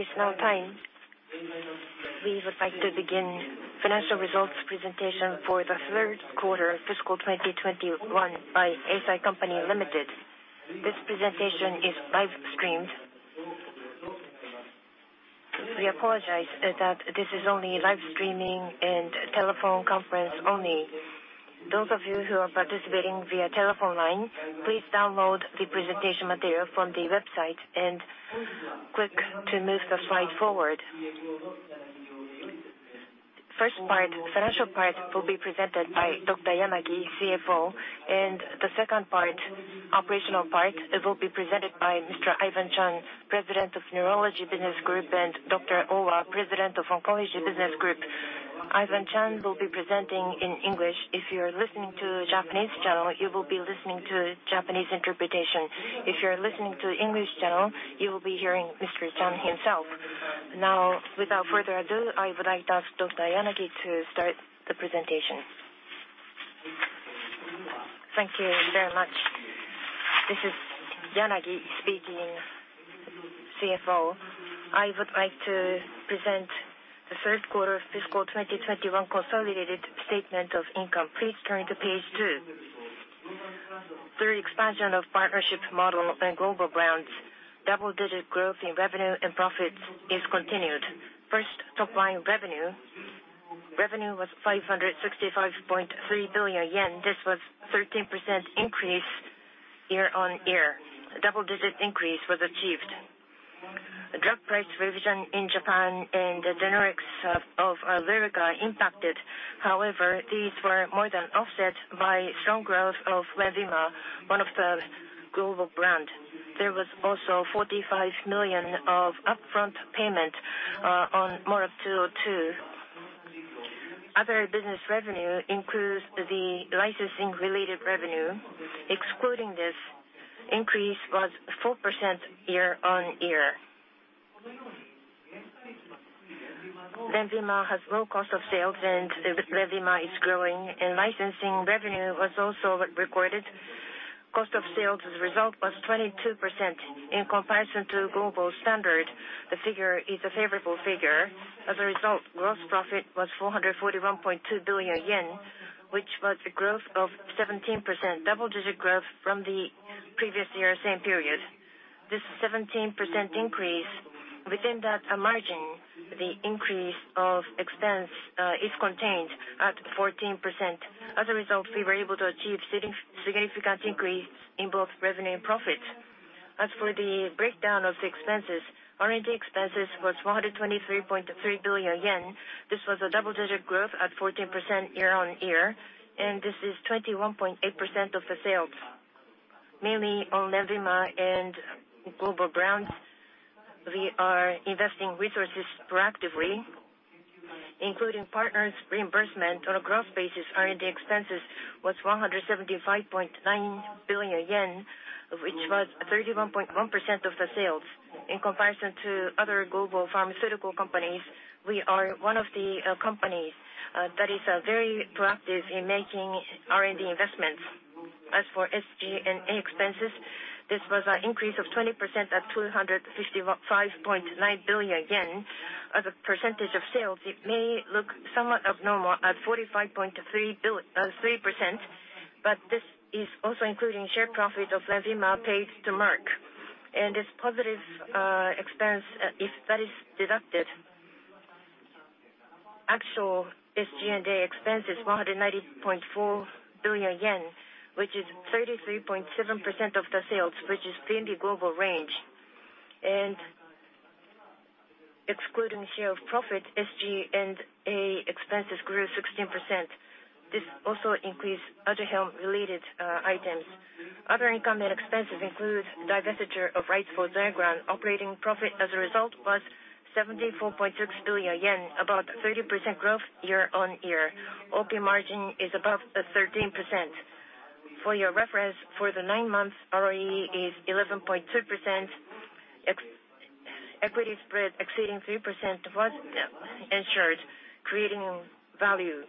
It is now time. We would like to begin financial results presentation for the Third Quarter Fiscal 2021 by Eisai Co., Ltd. This presentation is live streamed. We apologize that this is only live streaming and telephone conference only. Those of you who are participating via telephone line, please download the presentation material from the website and click to move the slide forward. First part, financial part, will be presented by Dr. Yanagi, CFO, and the second part, operational part, it will be presented by Mr. Ivan Cheung, President of Neurology Business Group, and Dr. Owa, President of Oncology Business Group. Ivan Cheung will be presenting in English. If you are listening to a Japanese channel, you will be listening to Japanese interpretation. If you are listening to English channel, you will be hearing Mr. Cheung himself. Now, without further ado, I would like to ask Dr. Yanagi to start the presentation. Thank you very much. This is Yanagi speaking, CFO. I would like to present the Third Quarter of Fiscal 2021 consolidated statement of income. Please turn to page two. Through expansion of partnership model and global brands, double-digit growth in revenue and profits is continued. First, top-line revenue. Revenue was 565.3 billion yen. This was 13% increase year-on-year. Double-digit increase was achieved. Drug price revision in Japan and the generics of Lyrica impacted. However, these were more than offset by strong growth of Lenvima, one of the global brand. There was also 45 million of upfront payment on MOR202. Other business revenue includes the licensing-related revenue. Excluding this, increase was 4% year-on-year. Lenvima has low cost of sales, and Lenvima is growing, and licensing revenue was also recorded. Cost of sales as a result was 22%. In comparison to global standard, the figure is a favorable figure. As a result, gross profit was 441.2 billion yen, which was a growth of 17%, double-digit growth from the previous year same period. This 17% increase, within that, margin, the increase of expense, is contained at 14%. As a result, we were able to achieve significant increase in both revenue and profit. As for the breakdown of the expenses, R&D expenses was 123.3 billion yen. This was a double-digit growth at 14% year-on-year, and this is 21.8% of the sales. Mainly on Lenvima and global brands, we are investing resources proactively, including partners reimbursement. On a gross basis, R&D expenses was 175.9 billion yen, which was 31.1% of the sales. In comparison to other global pharmaceutical companies, we are one of the companies that is very proactive in making R&D investments. As for SG&A expenses, this was an increase of 20% at 255.9 billion yen. As a percentage of sales, it may look somewhat abnormal at 45.3%, but this is also including shared profit of Lenvima paid to Merck. This positive expense, if that is deducted, actual SG&A expense is 190.4 billion yen, which is 33.7% of the sales, which is within the global range. Excluding share of profit, SG&A expenses grew 16%. This also includes other health-related items. Other income and expenses include divestiture of rights for Zonegran. Operating profit as a result was 74.6 billion yen, about 30% growth year-over-year. OP margin is above 13%. For your reference, for the nine months, ROE is 11.2%. Excess equity spread exceeding 3% was ensured, creating value.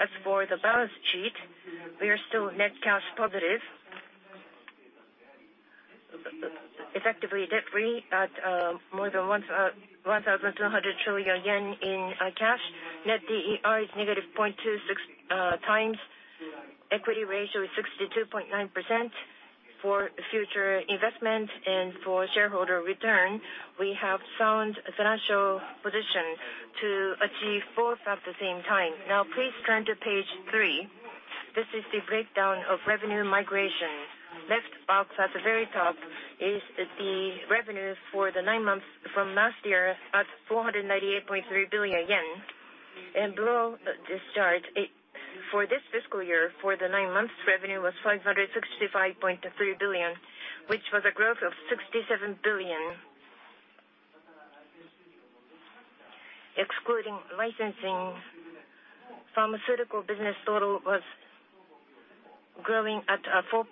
As for the balance sheet, we are still net cash positive. Effectively debt-free at more than 1,200 billion yen in cash. Net DER is -0.26x. Equity ratio is 62.9%. For future investment and for shareholder return, we have sound financial position to achieve both at the same time. Now please turn to page three. This is the breakdown of revenue migration. Left box at the very top is the revenue for the nine months from last year at 498.3 billion yen. Below this chart, for this fiscal year, for the nine months, revenue was 565.3 billion, which was a growth of 67 billion. Excluding licensing, pharmaceutical business total was growing at 4%.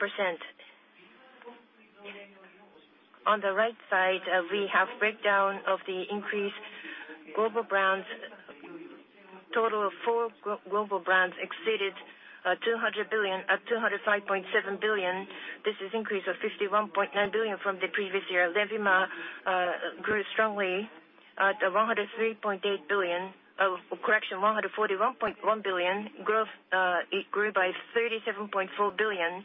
On the right side, we have breakdown of the increased global brands. Total of four global brands exceeded 200 billion, 205.7 billion. This is increase of 51.9 billion from the previous year. LENVIMA grew strongly at 103.8 billion. Correction, 141.1 billion. Growth, it grew by 37.4 billion.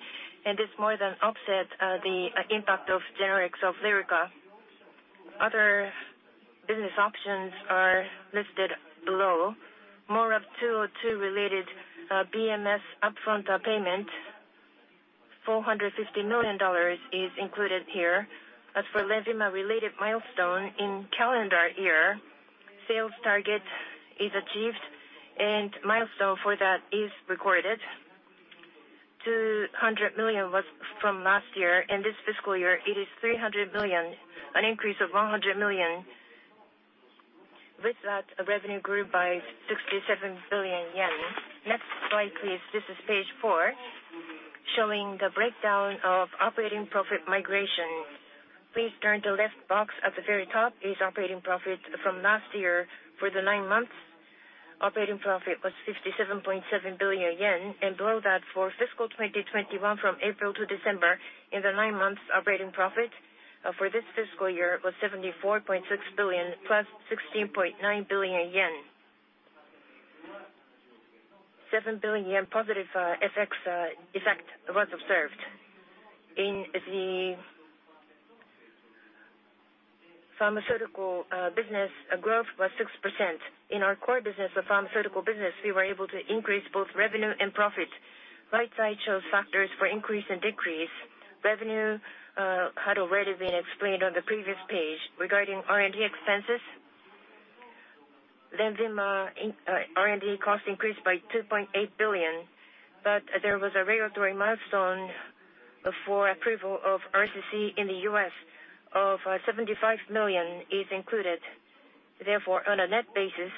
This more than offset the impact of generics of Lyrica. Other business options are listed below. BMS upfront payment, $450 million is included here. As for LENVIMA-related milestone in calendar year, sales target is achieved, and milestone for that is recorded. $200 million was from last year. In this fiscal year, it is $300 million, an increase of $100 million. With that, revenue grew by 67 billion yen. Next slide, please. This is page four, showing the breakdown of operating profit margin. Please turn. The left box at the very top is operating profit from last year. For the nine months, operating profit was 57.7 billion yen. Below that, for fiscal 2021, from April to December, in the nine months, operating profit for this fiscal year was 74.6 billion 16.9 billion yen. 7 billion yen positive FX effect was observed. In the pharmaceutical business, growth was 6%. In our core business, the pharmaceutical business, we were able to increase both revenue and profit. Right side shows factors for increase and decrease. Revenue had already been explained on the previous page. Regarding R&D expenses, LENVIMA in R&D cost increased by 2.8 billion, but there was a regulatory milestone for approval of RCC in the U.S. of $75 million is included. Therefore, on a net basis,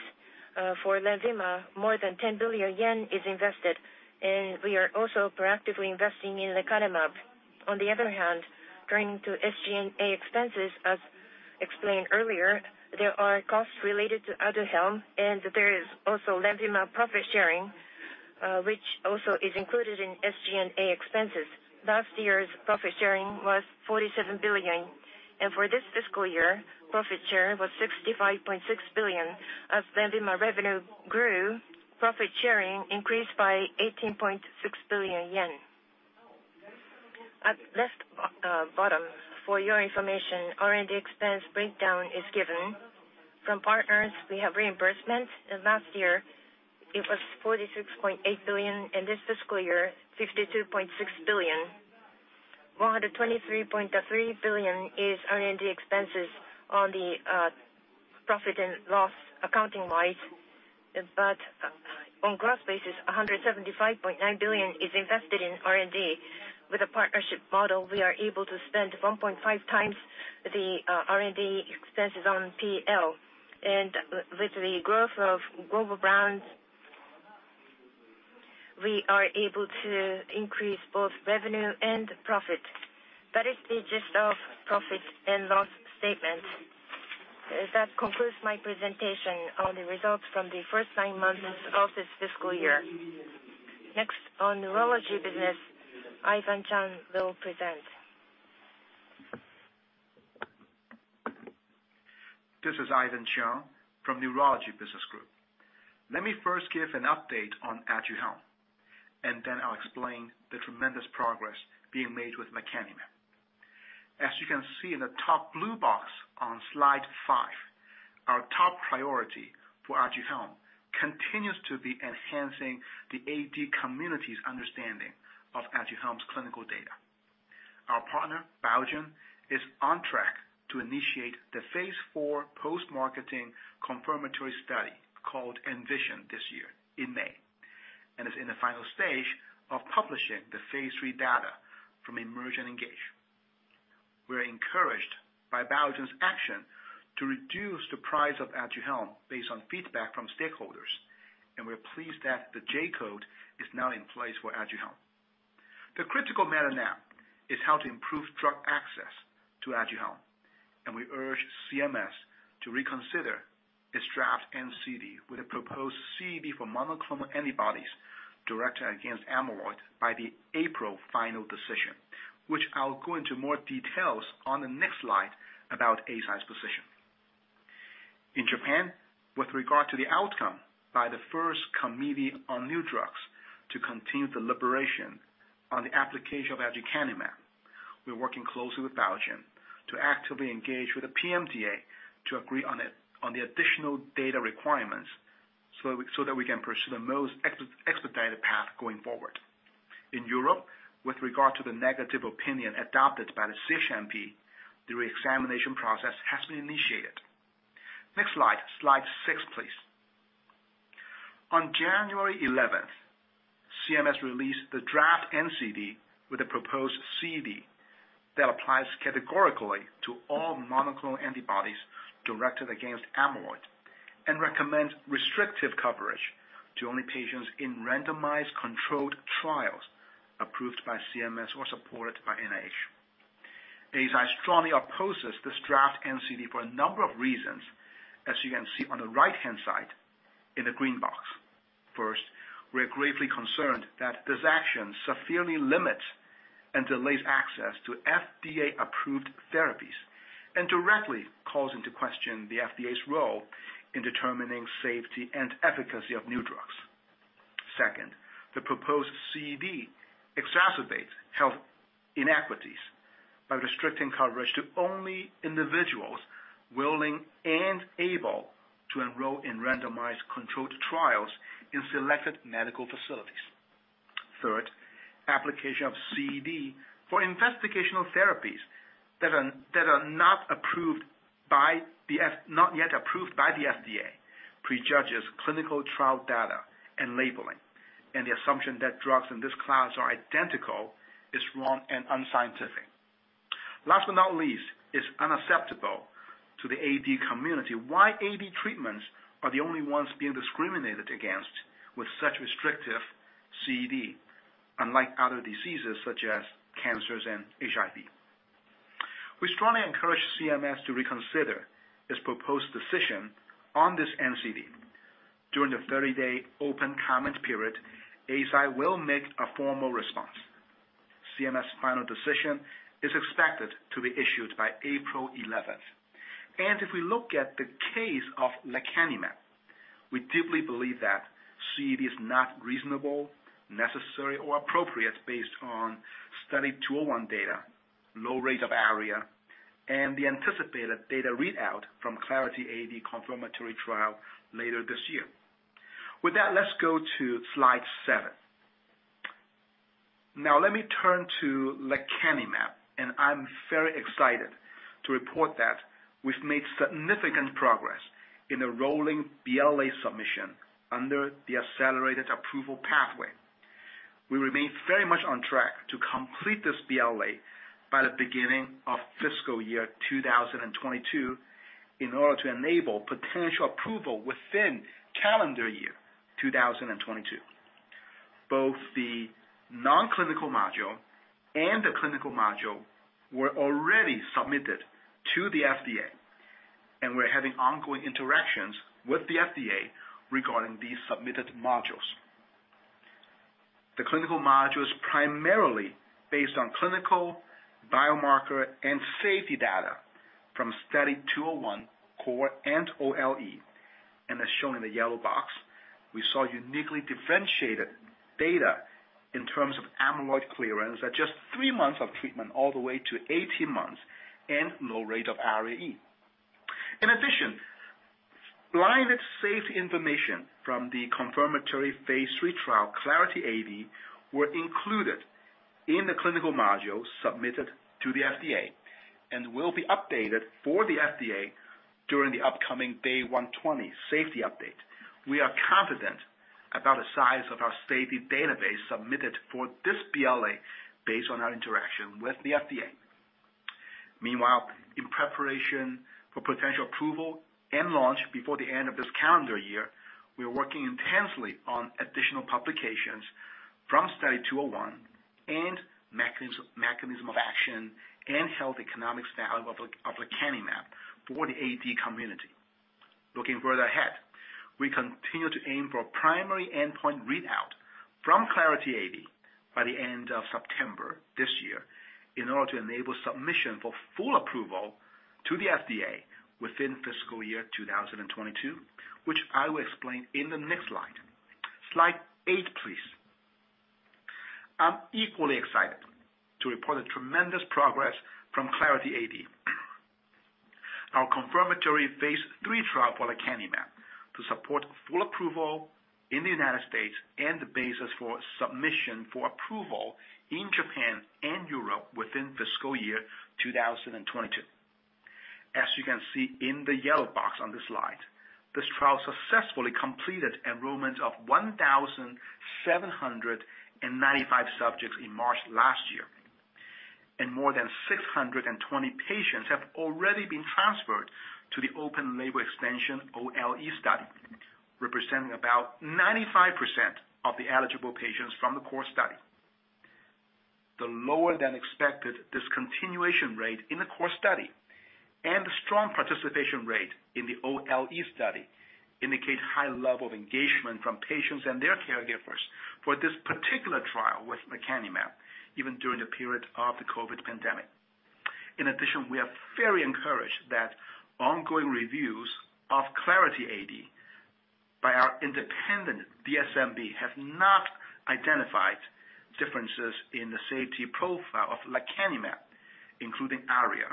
for LENVIMA, more than 10 billion yen is invested, and we are also proactively investing in lecanemab. On the other hand, turning to SG&A expenses, as explained earlier, there are costs related to Aduhelm, and there is also LENVIMA profit sharing, which is also included in SG&A expenses. Last year's profit sharing was 47 billion, and for this fiscal year, profit share was 65.6 billion. As LENVIMA revenue grew, profit sharing increased by 18.6 billion yen. At left, bottom, for your information, R&D expense breakdown is given. From partners, we have reimbursement. In last year, it was 46.8 billion. In this fiscal year, 52.6 billion. 123.3 billion is R&D expenses on the, profit and loss accounting-wise. But on gross basis, 175.9 billion is invested in R&D. With a partnership model, we are able to spend 1.5x the, R&D expenses on P&L. With the growth of global brands, we are able to increase both revenue and profit. That is the gist of profit and loss statement. That concludes my presentation on the results from the first nine months of this fiscal year. Next, on neurology business, Ivan Cheung will present. This is Ivan Cheung from Neurology Business Group. Let me first give an update on Aduhelm, and then I'll explain the tremendous progress being made with lecanemab. As you can see in the top blue box on slide five, our top priority for Aduhelm continues to be enhancing the AD community's understanding of Aduhelm's clinical data. Our partner, Biogen, is on track to initiate the phase IV post-marketing confirmatory study called ENVISION this year in May and is in the final stage of publishing the phase III data from EMERGE and ENGAGE. We are encouraged by Biogen's action to reduce the price of Aduhelm based on feedback from stakeholders, and we are pleased that the J-code is now in place for Aduhelm. The critical matter now is how to improve drug access to Aduhelm, and we urge CMS to reconsider its draft NCD with a proposed CED for monoclonal antibodies directed against amyloid by the April final decision, which I'll go into more details on the next slide about Eisai's position. In Japan, with regard to the outcome by the first committee on new drugs to continue the deliberation on the application of aducanumab, we're working closely with Biogen to actively engage with the PMDA to agree on it, on the additional data requirements so that we can pursue the most expedited path going forward. In Europe, with regard to the negative opinion adopted by the CHMP, the reexamination process has been initiated. Next slide. Slide six, please. On January 11, CMS released the draft NCD with a proposed CED that applies categorically to all monoclonal antibodies directed against amyloid and recommends restrictive coverage to only patients in randomized controlled trials approved by CMS or supported by NIH. Eisai strongly opposes this draft NCD for a number of reasons, as you can see on the right-hand side in the green box. First, we're greatly concerned that this action severely limits and delays access to FDA-approved therapies and directly calls into question the FDA's role in determining safety and efficacy of new drugs. Second, the proposed CED exacerbates health inequities by restricting coverage to only individuals willing and able to enroll in randomized controlled trials in selected medical facilities. Third, application of CED for investigational therapies that are not yet approved by the FDA prejudges clinical trial data and labeling. The assumption that drugs in this class are identical is wrong and unscientific. Last but not least, it's unacceptable to the AD community why AD treatments are the only ones being discriminated against with such restrictive CED, unlike other diseases such as cancers and HIV. We strongly encourage CMS to reconsider its proposed decision on this NCD. During the 30-day open comment period, Eisai will make a formal response. CMS final decision is expected to be issued by April 11th. If we look at the case of lecanemab, we deeply believe that CED is not reasonable, necessary, or appropriate based on Study 201 data, low rate of ARIA, and the anticipated data readout from Clarity AD confirmatory trial later this year. With that, let's go to slide seven. Now let me turn to lecanemab, and I'm very excited to report that we've made significant progress in the rolling BLA submission under the accelerated approval pathway. We remain very much on track to complete this BLA by the beginning of fiscal year 2022 in order to enable potential approval within calendar year 2022. Both the non-clinical module and the clinical module were already submitted to the FDA, and we're having ongoing interactions with the FDA regarding these submitted modules. The clinical module is primarily based on clinical, biomarker, and safety data from Study 201 core and OLE. As shown in the yellow box, we saw uniquely differentiated data in terms of amyloid clearance at just three months of treatment all the way to 18 months and low rate of ARIA. In addition, blinded safety information from the confirmatory phase III trial Clarity AD were included in the clinical module submitted to the FDA and will be updated for the FDA during the upcoming day 120 safety update. We are confident about the size of our safety database submitted for this BLA based on our interaction with the FDA. Meanwhile, in preparation for potential approval and launch before the end of this calendar year, we are working intensely on additional publications from Study 201 and mechanism of action and health economics value of lecanemab for the AD community. Looking further ahead, we continue to aim for a primary endpoint readout from Clarity AD by the end of September this year in order to enable submission for full approval to the FDA within fiscal year 2022, which I will explain in the next slide. Slide eight, please. I'm equally excited to report a tremendous progress from Clarity AD, our confirmatory phase III trial for lecanemab to support full approval in the United States and the basis for submission for approval in Japan and Europe within FY 2022. As you can see in the yellow box on this slide, this trial successfully completed enrollment of 1,795 subjects in March last year, and more than 620 patients have already been transferred to the open label expansion OLE study, representing about 95% of the eligible patients from the core study. The lower than expected discontinuation rate in the core study and the strong participation rate in the OLE study indicate high level of engagement from patients and their caregivers for this particular trial with lecanemab, even during the period of the COVID pandemic. In addition, we are very encouraged that ongoing reviews of Clarity AD by our independent DSMB have not identified differences in the safety profile of lecanemab, including ARIA,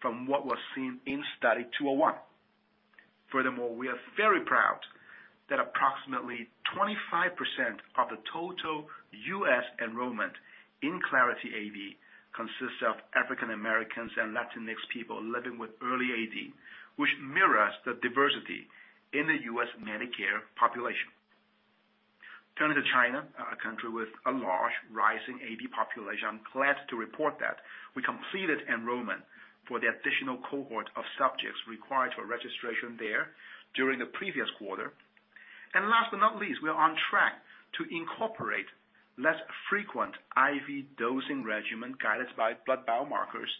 from what was seen in Study 201. Furthermore, we are very proud that approximately 25% of the total U.S. enrollment in Clarity AD consists of African Americans and Latinx people living with early AD, which mirrors the diversity in the U.S. Medicare population. Turning to China, a country with a large rising AD population, I'm glad to report that we completed enrollment for the additional cohort of subjects required for registration there during the previous quarter. Last but not least, we are on track to incorporate less frequent IV dosing regimen guided by blood biomarkers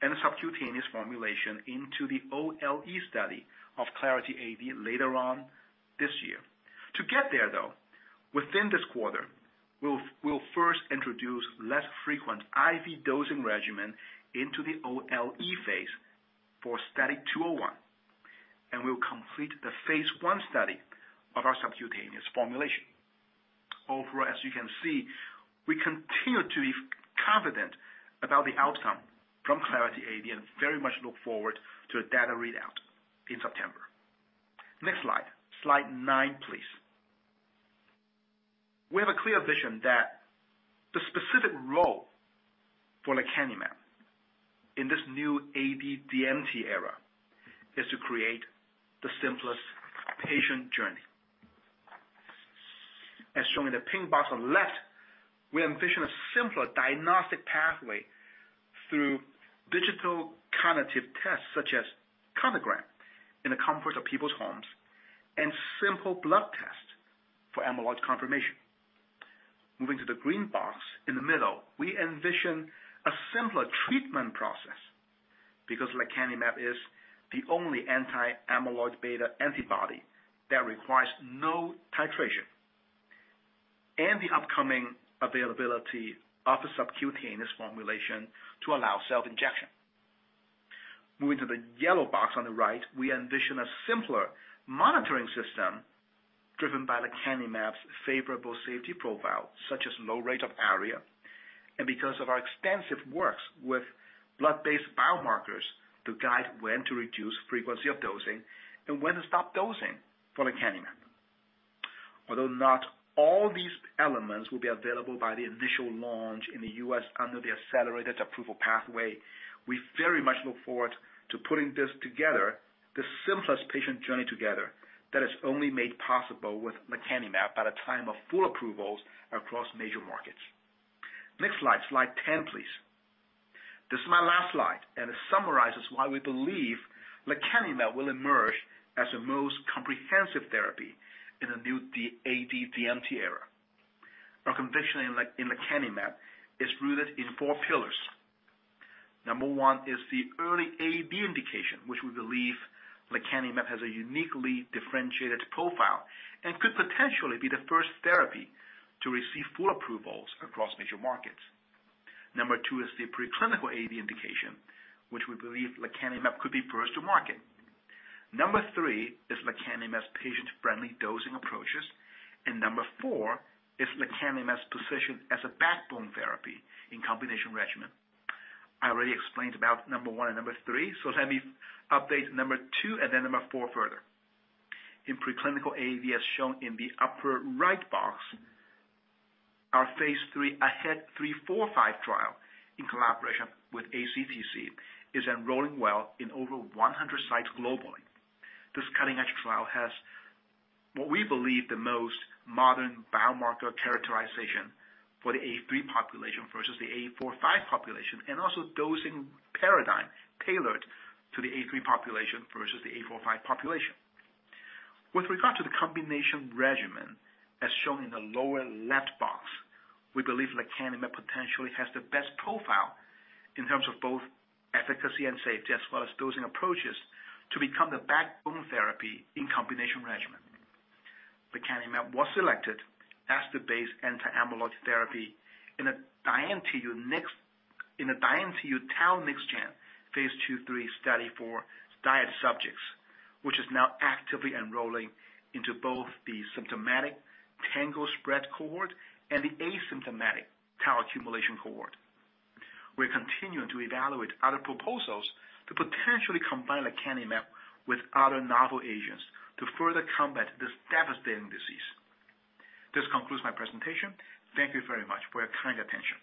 and subcutaneous formulation into the OLE study of Clarity AD later on this year. To get there, though, within this quarter, we'll first introduce less frequent IV dosing regimen into the OLE phase for Study 201, and we'll complete the phase I study of our subcutaneous formulation. Overall, as you can see, we continue to be confident about the outcome from Clarity AD and very much look forward to a data readout in September. Next slide. Slide nine, please. We have a clear vision that the specific role for lecanemab in this new AD DMT era is to create the simplest patient journey. As shown in the pink box on the left, we envision a simpler diagnostic pathway through digital cognitive tests such as Cognigram in the comforts of people's homes and simple blood tests for amyloid confirmation. Moving to the green box in the middle, we envision a simpler treatment process because lecanemab is the only anti-amyloid beta antibody that requires no titration and the upcoming availability of a subcutaneous formulation to allow self-injection. Moving to the yellow box on the right, we envision a simpler monitoring system driven by lecanemab's favorable safety profile, such as low rate of ARIA, and because of our extensive works with blood-based biomarkers to guide when to reduce frequency of dosing and when to stop dosing for lecanemab. Although not all these elements will be available by the initial launch in the U.S. under the accelerated approval pathway, we very much look forward to putting this together, the simplest patient journey together that is only made possible with lecanemab at a time of full approvals across major markets. Next slide. Slide 10, please. This is my last slide, and it summarizes why we believe lecanemab will emerge as the most comprehensive therapy in the new AD DMT era. Our conviction in lecanemab is rooted in four pillars. Number one is the early AD indication, which we believe lecanemab has a uniquely differentiated profile and could potentially be the first therapy to receive full approvals across major markets. Number two is the preclinical AD indication, which we believe lecanemab could be first to market. Number three is lecanemab's patient-friendly dosing approaches. Number four is lecanemab's position as a backbone therapy in combination regimen. I already explained about number one and number three, so let me update number two and then number four further. In preclinical AD, as shown in the upper right box, our phase III AHEAD 3-45 trial in collaboration with ACTC is enrolling well in over 100 sites globally. This cutting-edge trial has what we believe the most modern biomarker characterization for the A3 population versus the A45 population, and also dosing paradigm tailored to the A3 population versus the A45 population. With regard to the combination regimen as shown in the lower left box, we believe lecanemab potentially has the best profile in terms of both efficacy and safety, as well as dosing approaches to become the backbone therapy in combination regimen. Lecanemab was selected as the base anti-amyloid therapy in a DIAN-TU Tau NexGen phase II/III study for DIAD subjects, which is now actively enrolling into both the symptomatic tangle-positive cohort and the asymptomatic tau accumulation cohort. We're continuing to evaluate other proposals to potentially combine lecanemab with other novel agents to further combat this devastating disease. This concludes my presentation. Thank you very much for your kind attention.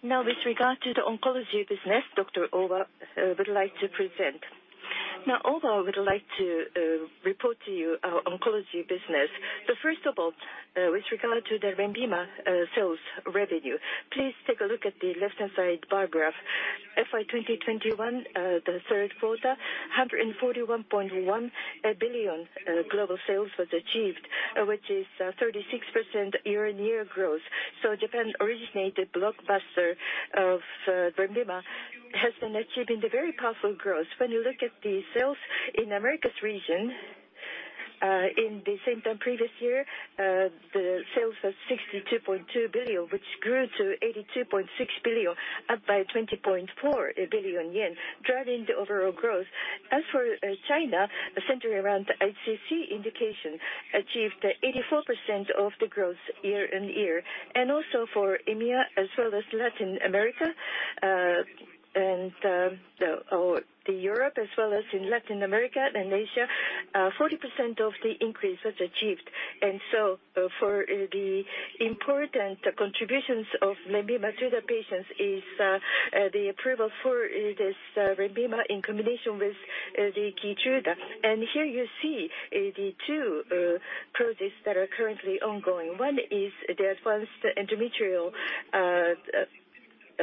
With regard to the oncology business, Dr. Owa would like to report to you our oncology business. First of all, with regard to the Lenvima sales revenue, please take a look at the left-hand side bar graph. FY 2021, the third quarter, 141.1 billion global sales was achieved, which is 36% year-on-year growth. Japan-originated blockbuster of Lenvima has been achieving the very powerful growth. When you look at the sales in Americas region, in the same time previous year, the sales was 62.2 billion, which grew to 82.6 billion, up by 20.4 billioA, driving the overall growth. As for China, centered around the HCC indication, achieved 84% of the growth year on year. Also for EMEA as well as Latin America, and Europe as well as in Latin America and Asia, 40% of the increase was achieved. For the important contributions of Lenvima to the patients is the approval for this Lenvima in combination with Keytruda. Here you see the two processes that are currently ongoing. One is the advanced endometrial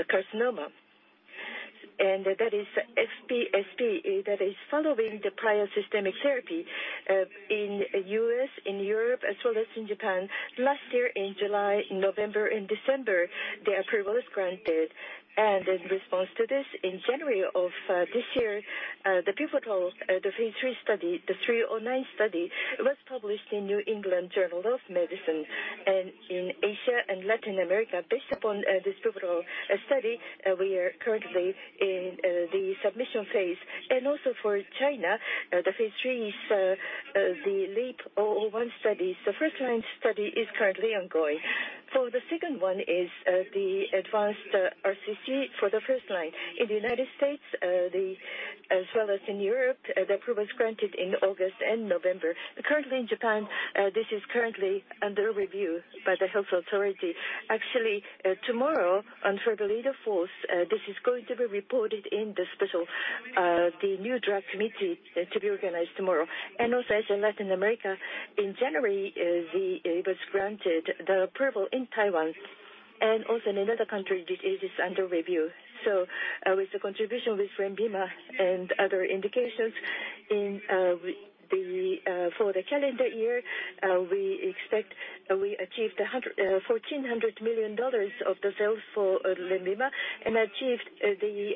carcinoma. That is following the prior systemic therapy in U.S., in Europe, as well as in Japan. Last year, in July, November and December, the approval is granted. In response to this, in January of this year, the pivotal phase III study, the 309 study was published in New England Journal of Medicine. In Asia and Latin America, based upon this pivotal study, we are currently in the submission phase. For China, the phase III is the LEAP-001 study. The first-line study is currently ongoing. For the second one is the advanced RCC for the first-line. In the United States, as well as in Europe, the approval is granted in August and November. Currently in Japan, this is currently under review by the health authority. Actually, tomorrow on February 4, this is going to be reported in the special new drug committee to be organized tomorrow. In Asia and Latin America, in January, it was granted the approval in Taiwan and also in another country. This is under review. With the contribution with Lenvima and other indications in the for the calendar year, we expect we achieved $114 million of the sales for Lenvima and achieved the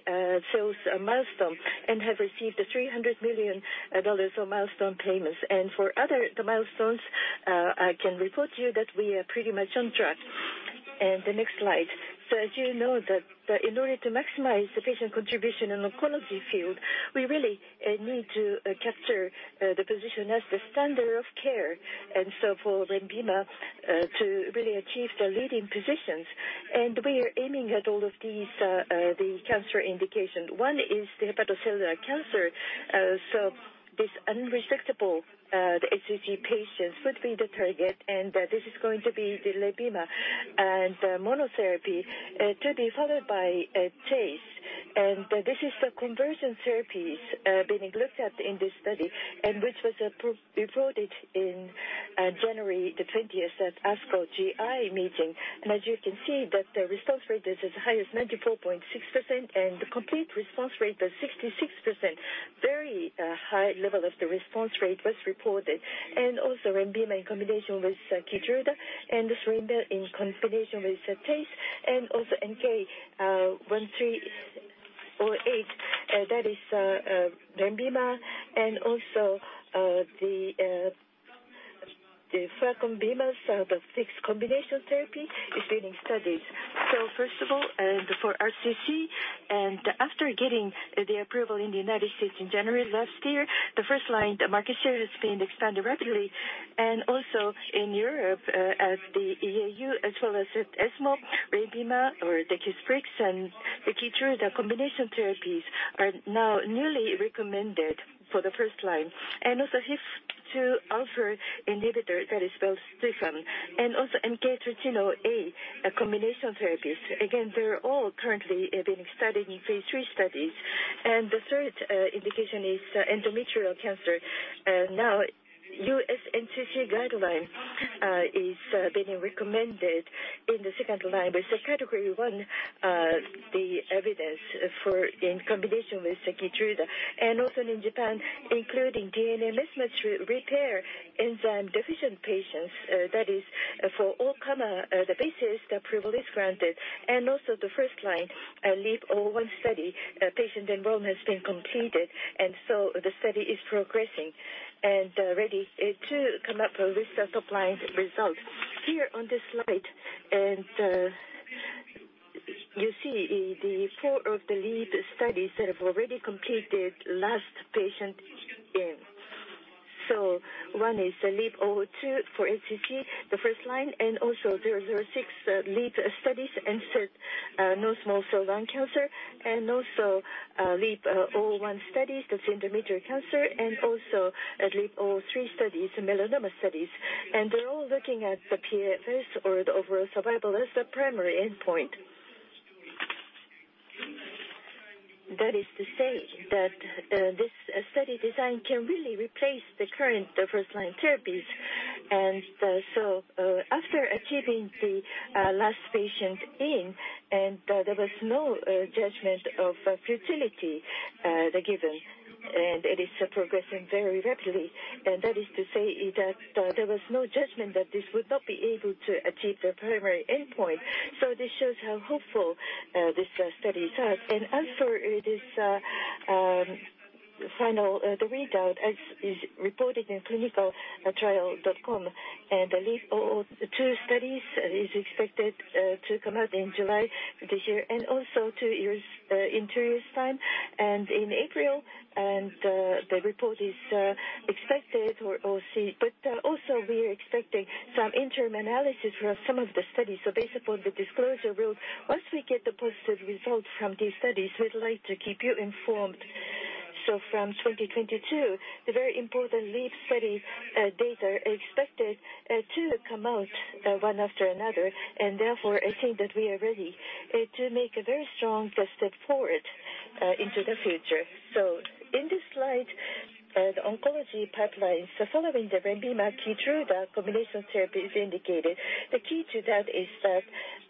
sales milestone and have received $300 million for milestone payments. For other milestones, I can report to you that we are pretty much on track. The next slide. As you know that in order to maximize the patient contribution in oncology field, we really need to capture the position as the standard of care and for Lenvima to really achieve the leading positions. We are aiming at all of these the cancer indications. One is the hepatocellular cancer. This unresectable HCC patients would be the target. This is going to be the Lenvima monotherapy to be followed by TACE. This is the conversion therapies being looked at in this study and which was reported in January 20 at ASCO GI meeting. As you can see that the response rate is as high as 94.6%, and the complete response rate was 66%. Very high level of the response rate was reported. Also Lenvima in combination with Keytruda and the Lenvima in combination with TACE and also MK-1308, that is Lenvima and also the pembrolizumab. The fixed combination therapy is being studied. First of all, for RCC and after getting the approval in the United States in January last year, the first-line market share has been expanded rapidly. Also in Europe, as the EU as well as at ESMO, Lenvima or lenvatinib and the Keytruda combination therapies are now newly recommended for the first-line. Also HIF-2 alpha inhibitor that is called belzutifan and also MK-6482, a combination therapy. Again, they're all currently being studied in phase III studies. The third indication is endometrial cancer. Now NCCN guideline is being recommended in the second-line with the category 1 evidence for in combination with Keytruda. Also in Japan, including DNA mismatch repair enzyme deficient patients, that is for all-comer, the basis the approval is granted. Also the first-line LEAP-001 study patient enrollment has been completed. The study is progressing and ready to come up with the top-line results. Here on this slide, you see four of the LEAP studies that have already completed last patient in. One is the LEAP-002 for HCC, the first line, and also LEAP-006 studies and third, non-small cell lung cancer and also, LEAP-001 studies, that's endometrial cancer and also a LEAP-003 studies, melanoma studies. They're all looking at the PFS or the overall survival as the primary endpoint. That is to say that, this study design can really replace the current, the first line therapies. After achieving the, last patient in and there was no, judgment of futility, given and it is progressing very rapidly. That is to say that there was no judgment that this would not be able to achieve the primary endpoint. This shows how hopeful this study is. As for this final readout, as is reported in ClinicalTrials.gov, and the LEAP-002 study is expected to come out in July this year and also two years in two years time and in April. The report is expected OS. Also we are expecting some interim analysis for some of the studies. Based upon the disclosure rule, once we get the positive results from these studies, we'd like to keep you informed. From 2022, the very important LEAP study data expected to come out one after another. Therefore, I think that we are ready to make a very strong step forward into the future. In this slide, the oncology pipeline, following the LENVIMA KEYTRUDA combination therapy is indicated. The key to that is that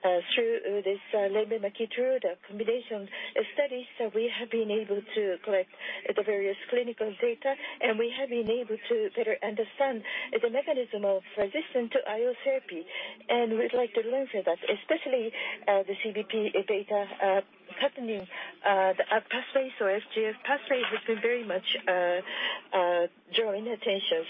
through this LENVIMA KEYTRUDA combination studies that we have been able to collect the various clinical data, and we have been able to better understand the mechanism of resistance to IO therapy. We'd like to learn from that, especially the CBP pathway. FGF pathway has been very much drawing attention.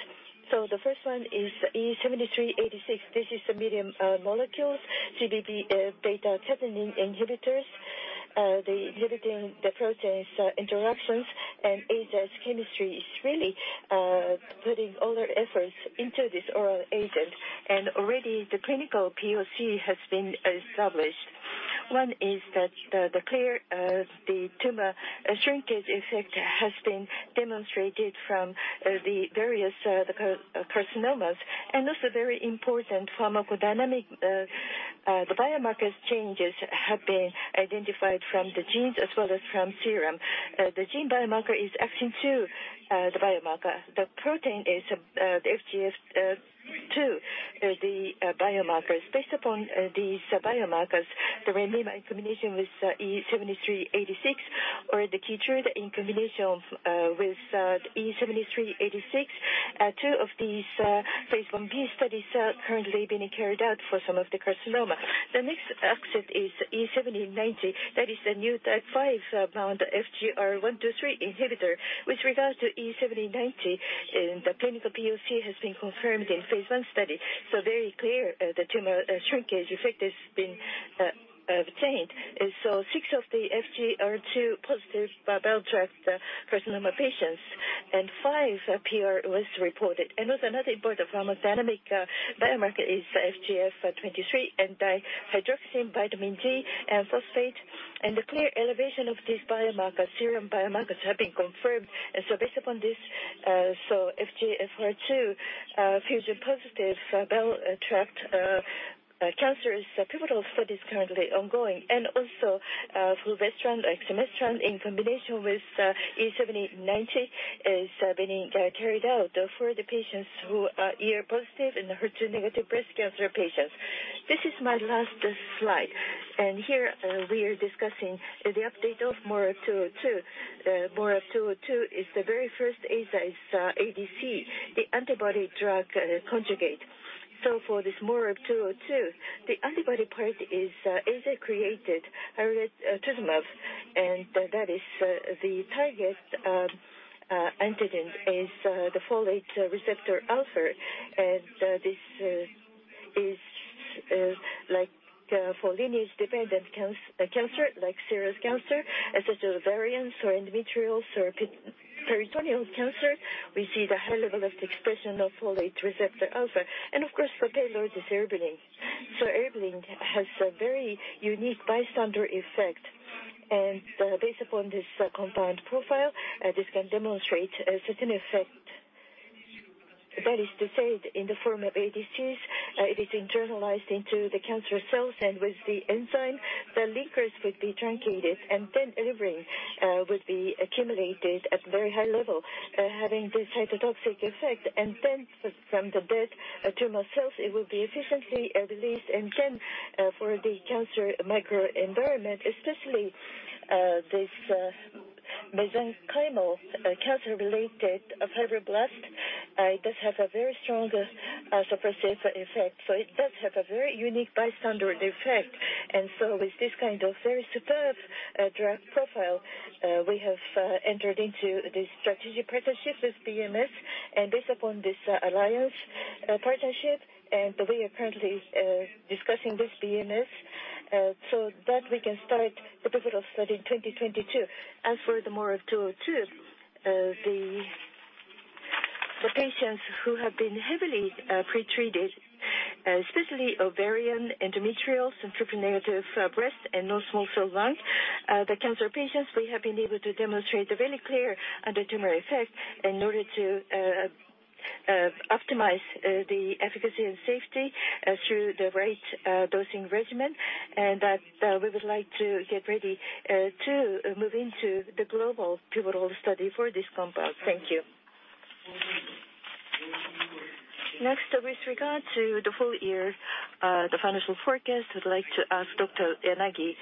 The first one is E7386. This is the medium molecules CBP beta-catenin inhibitors. Inhibiting the protein interactions and Eisai's chemistry is really putting all our efforts into this oral agent. Already the clinical POC has been established. One is that the clear tumor shrinkage effect has been demonstrated from the various carcinomas. Also very important pharmacodynamic, the biomarkers changes have been identified from the genes as well as from serum. The gene biomarker is AXIN2, the biomarker. The protein is the FGF23, the biomarkers. Based upon these biomarkers, the Lenvima in combination with E7386 or the Keytruda in combination with E7386. Two of these phase I-B studies are currently being carried out for some of the carcinoma. The next asset is E7090. That is the new type five bound FGFR1/2/3 inhibitor. With regards to E7090, the clinical POC has been confirmed in phase I study, so very clear, the tumor shrinkage effect has been obtained. Six of the FGFR2 positive bile duct carcinoma patients and 5 PR was reported. Another important pharmacodynamic biomarker is FGF23 and dihydroxy vitamin D and phosphate. The clear elevation of these biomarkers, serum biomarkers, have been confirmed. Based upon this, FGFR2 fusion-positive biliary tract cancer pivotal studies are currently ongoing. Fulvestrant, exemestane in combination with E7090 is being carried out for the patients who are ER-positive and HER2-negative breast cancer patients. This is my last slide, and here we are discussing the update of MORAb-202. MORAb-202 is the very first Eisai's ADC, the antibody-drug conjugate. For this MORAb-202, the antibody part is Eisai-created farletuzumab, and that is the target antigen, the folate receptor alpha. This is like for lineage-dependent cancer like serous cancer, endometrial ovarian, so endometrial, so peritoneal cancer. We see the high level of expression of folate receptor alpha and of course for payload is irinotecan. Irinotecan has a very unique bystander effect. Based upon this compound profile, this can demonstrate a certain effect. That is to say, in the form of ADCs, it is internalized into the cancer cells. With the enzyme, the linkers would be truncated, and then irinotecan would be accumulated at very high level, having this cytotoxic effect. From the dead tumor cells, it will be efficiently released. For the cancer microenvironment, especially this mesenchymal cancer-related fibroblast, it does have a very strong suppressive effect. It does have a very unique bystander effect. With this kind of very superb drug profile, we have entered into this strategic partnership with BMS. Based upon this alliance partnership, we are currently discussing this BMS so that we can start the pivotal study in 2022. As for the MORAb-202, the patients who have been heavily pretreated, especially ovarian, endometrial, triple-negative breast and non-small cell lung cancer patients, we have been able to demonstrate a very clear anti-tumor effect in order to optimize the efficacy and safety through the right dosing regimen. That we would like to get ready to move into the global pivotal study for this compound. Thank you. Next, with regard to the full year, the financial forecast, I'd like to ask Dr. Yanagi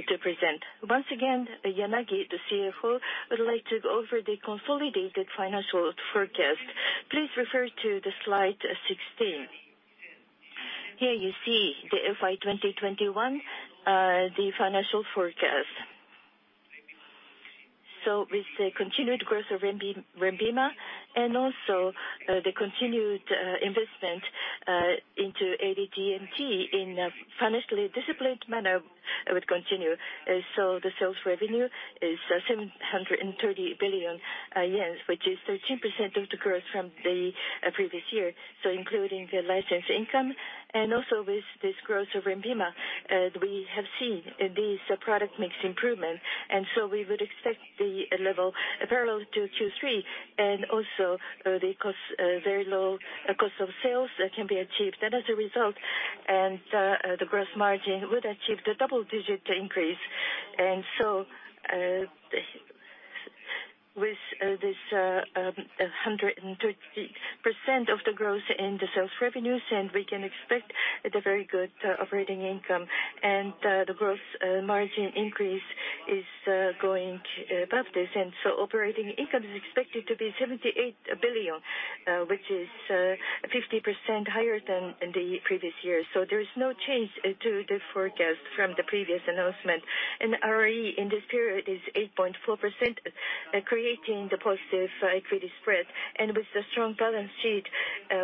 to present. Once again, Yanagi, the CFO, would like to go over the consolidated financial forecast. Please refer to slide 16. Here you see the FY 2021 financial forecast. With the continued growth of Lenvima and also the continued investment into R&D in a financially disciplined manner would continue. The sales revenue is 730 billion yen, which is 13% growth from the previous year. Including the license income and also with this growth of Lenvima, we have seen these product mix improvement. We would expect the level parallel to Q3 and also the very low cost of sales that can be achieved. As a result, the gross margin would achieve the double-digit increase. With this 130% growth in the sales revenues, we can expect very good operating income. The gross margin increase is going to be above this. Operating income is expected to be 78 billion, which is 50% higher than the previous year. There is no change to the forecast from the previous announcement. ROE in this period is 8.4%, creating the positive equity spread. With the strong balance sheet,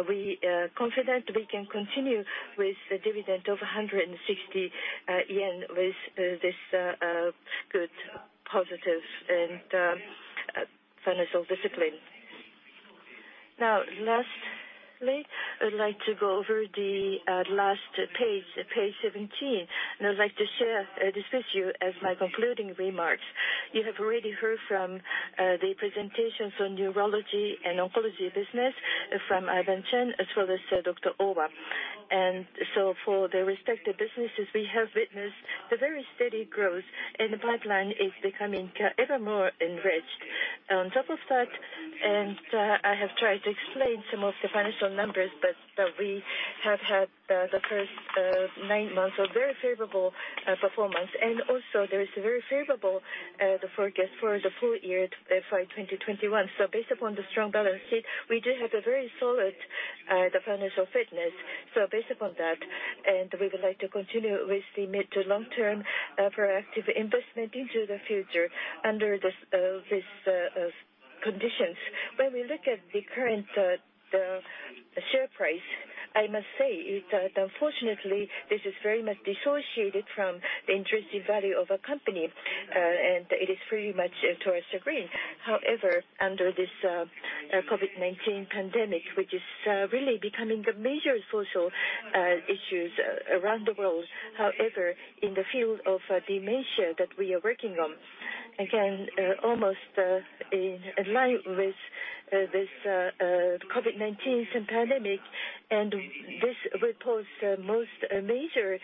we are confident we can continue with the dividend of 160 yen with this good positive financial discipline. Now, lastly, I'd like to go over the last page 17, and I'd like to share this with you as my concluding remarks. You have already heard from the presentations on Neurology and Oncology Business from Ivan Cheung as well as Dr. Owa. For the respective businesses, we have witnessed the very steady growth, and the pipeline is becoming ever more enriched. On top of that, I have tried to explain some of the financial numbers, but we have had the first nine months of very favorable performance. There is a very favorable the forecast for the full year for 2021. Based upon the strong balance sheet, we do have a very solid the financial fitness. Based upon that, we would like to continue with the mid- to long-term proactive investment into the future under these conditions. When we look at the current share price, I must say, unfortunately, this is very much dissociated from the intrinsic value of a company, and it is pretty much towards the green. However, under this COVID-19 pandemic, which is really becoming the major social issues around the world. However, in the field of dementia that we are working on, again, almost in line with this COVID-19 pandemic, and this will pose the most major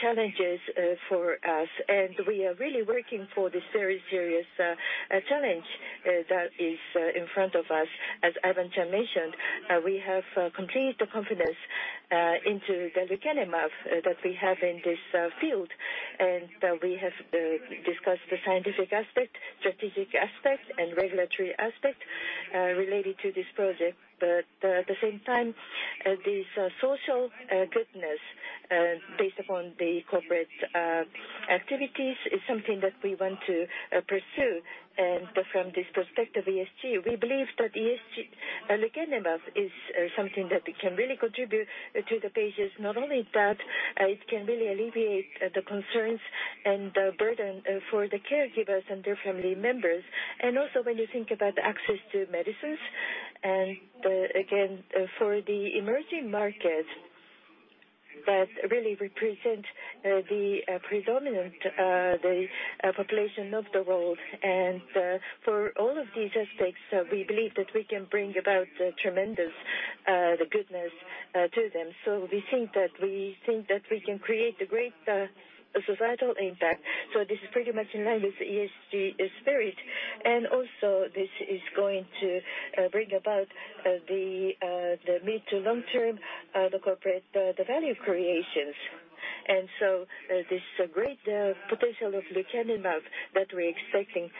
challenges for us. We are really working for this very serious challenge that is in front of us. As Ivan Cheung mentioned, we have complete confidence into the lecanemab that we have in this field, and we have discussed the scientific aspect, strategic aspect and regulatory aspect related to this project. But at the same time, this social goodness based upon the corporate activities is something that we want to pursue. From this perspective, ESG, we believe that ESG lecanemab is something that can really contribute to the patients. Not only that, it can really alleviate the concerns and the burden for the caregivers and their family members. When you think about access to medicines and, again, for the emerging markets that really represent the predominant population of the world and for all of these aspects, we believe that we can bring about tremendous goodness to them. We think that we can create a great societal impact. This is pretty much in line with ESG spirit. This is going to bring about the mid- to long-term corporate value creations. This is a great potential of lecanemab that we're expecting.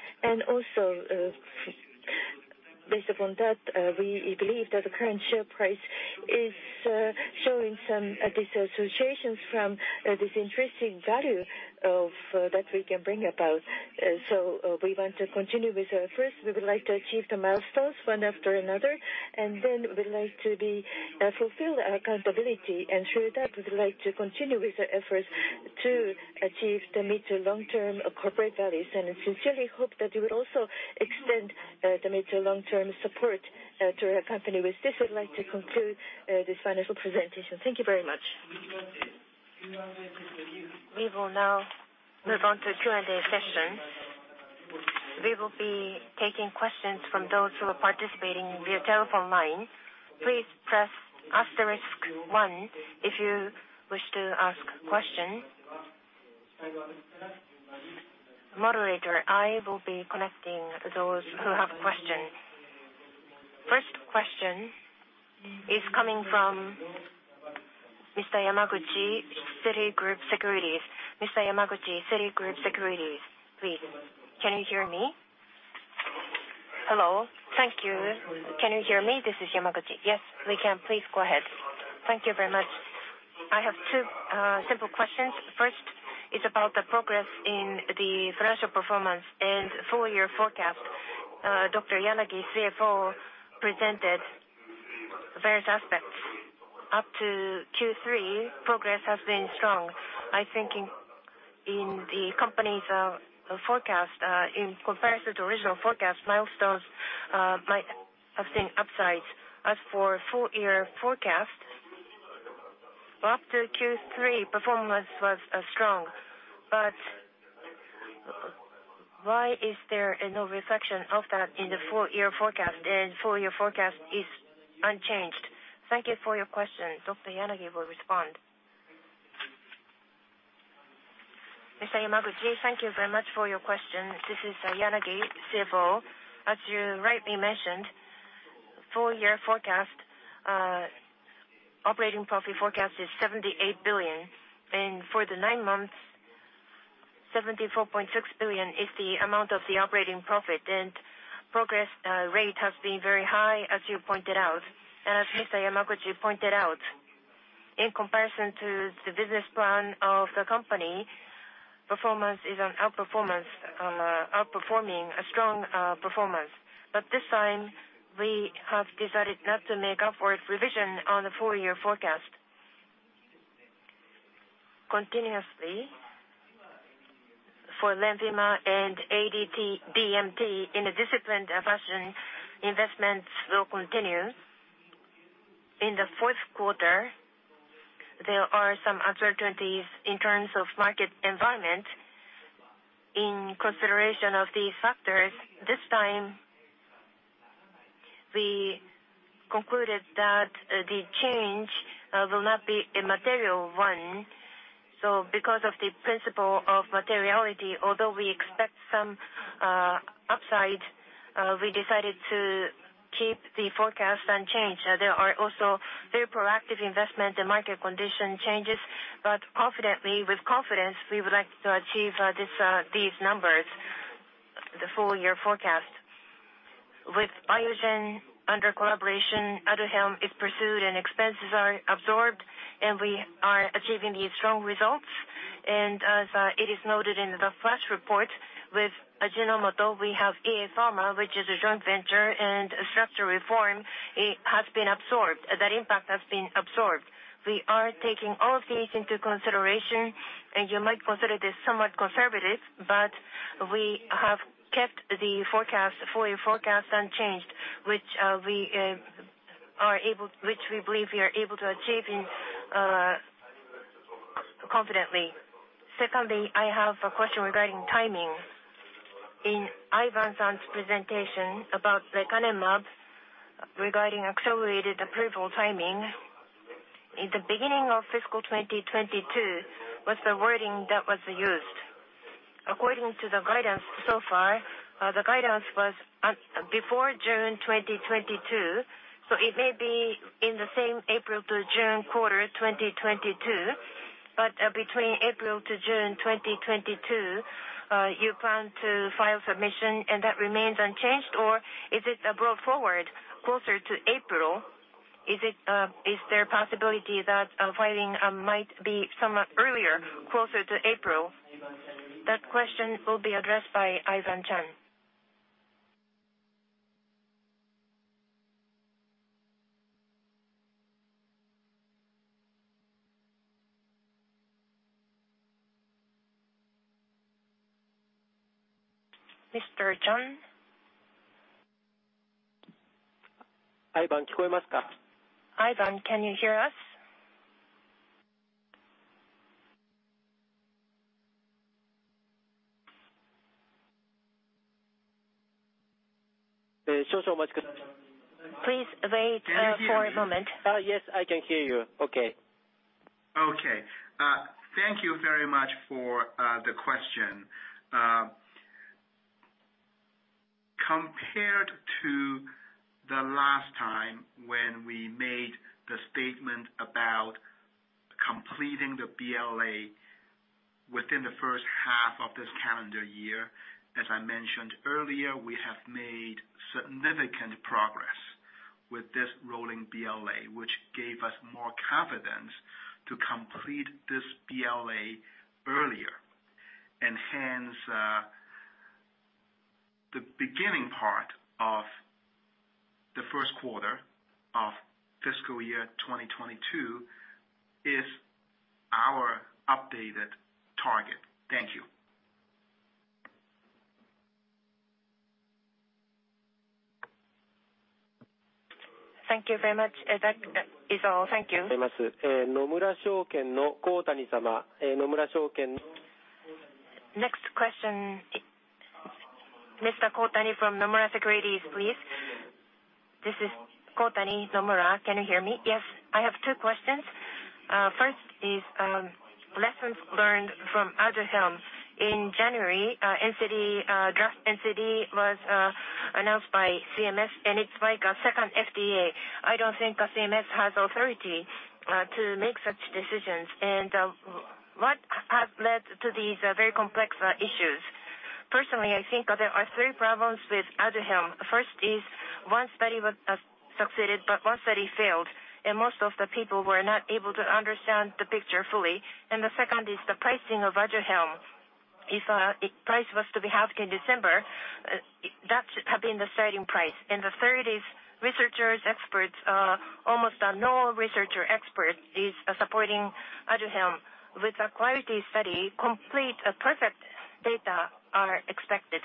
Based upon that, we believe that the current share price is showing some disassociation from this intrinsic value that we can bring about. We want to continue with our first. We would like to achieve the milestones one after another, and then we'd like to fulfill our accountability. Through that, we would like to continue with the efforts to achieve the mid- to long-term corporate values and sincerely hope that you will also extend the mid- to long-term support to our company. With this, I'd like to conclude this financial presentation. Thank you very much. We will now move on to Q&A session. We will be taking questions from those who are participating via telephone line. Please press asterisk one if you wish to ask question. Moderator, I will be connecting those who have questions. First question is coming from Mr. Yamaguchi, Citigroup Securities. Mr. Yamaguchi, Citigroup Securities, please. Can you hear me? Hello. Thank you. Can you hear me? This is Yamaguchi. Yes, we can. Please go ahead. Thank you very much. I have two simple questions. First is about the progress in the financial performance and full year forecast. Dr. Yanagi, CFO, presented various aspects. Up to Q3 progress has been strong. I think in the company's forecast, in comparison to original forecast, milestones might have seen upsides. As for full year forecast, up to Q3 performance was strong. Why is there no reflection of that in the full year forecast? Full year forecast is unchanged. Thank you for your question. Dr. Yanagi will respond. Mr. Yamaguchi, thank you very much for your question. This is Yanagi, CFO. As you rightly mentioned, full year forecast, operating profit forecast is 78 billion. For the nine months, 74.6 billion is the amount of the operating profit. Progress rate has been very high as you pointed out. As Mr. Yamaguchi pointed out, in comparison to the business plan of the company, performance is an outperformance, outperforming a strong performance. This time, we have decided not to make upward revision on the full year forecast. Continuously for Lenvima and DTC and DMT in a disciplined fashion, investments will continue. In the fourth quarter, there are some uncertainties in terms of market environment. In consideration of these factors, this time we concluded that the change will not be a material one. Because of the principle of materiality, although we expect some upside, we decided to keep the forecast unchanged. There are also very proactive investment and market condition changes, but with confidence we would like to achieve these numbers, the full year forecast. With Biogen under collaboration, Aduhelm is pursued and expenses are absorbed, and we are achieving these strong results. As it is noted in the flash report with Ajinomoto, we have EA Pharma, which is a joint venture and a structure reform. It has been absorbed. That impact has been absorbed. We are taking all of these into consideration, and you might consider this somewhat conservative, but we have kept the forecast, full year forecast unchanged, which we believe we are able to achieve confidently. Secondly, I have a question regarding timing. In Ivan Cheung's presentation about lecanemab, regarding accelerated approval timing. In the beginning of fiscal 2022 was the wording that was used. According to the guidance so far, the guidance was as before June 2022, so it may be in the same April to June quarter, 2022. Between April to June 2022, you plan to file submission and that remains unchanged or is it brought forward closer to April? Is there possibility that filing might be somewhat earlier, closer to April? That question will be addressed by Ivan Cheung. Mr. Cheung. Ivan, can you hear us? Please wait for a moment. Can you hear me? Please wait for a moment. Yes, I can hear you. Thank you very much for the question. Compared to the last time when we made the statement about completing the BLA within the first half of this calendar year, as I mentioned earlier, we have made significant progress with this rolling BLA, which gave us more confidence to complete this BLA earlier. Hence, the beginning part of the first quarter of fiscal year 2022 is our updated target. Thank you. Thank you very much. That is all. Thank you. Next question. Mr. Kotani from Nomura Securities, please. This is Kotani, Nomura. Can you hear me? Yes. I have two questions. First is lessons learned from Aduhelm. In January, draft NCD was announced by CMS, and it's like a second FDA. I don't think CMS has authority to make such decisions. What have led to these very complex issues? Personally, I think there are three problems with Aduhelm. First, one study succeeded, but one study failed, and most of the people were not able to understand the picture fully. The second is the pricing of Aduhelm. If price was to be halved in December, that should have been the starting price. The third is researchers, experts. Almost no researcher expert is supporting Aduhelm. With a quality study, complete and perfect data are expected.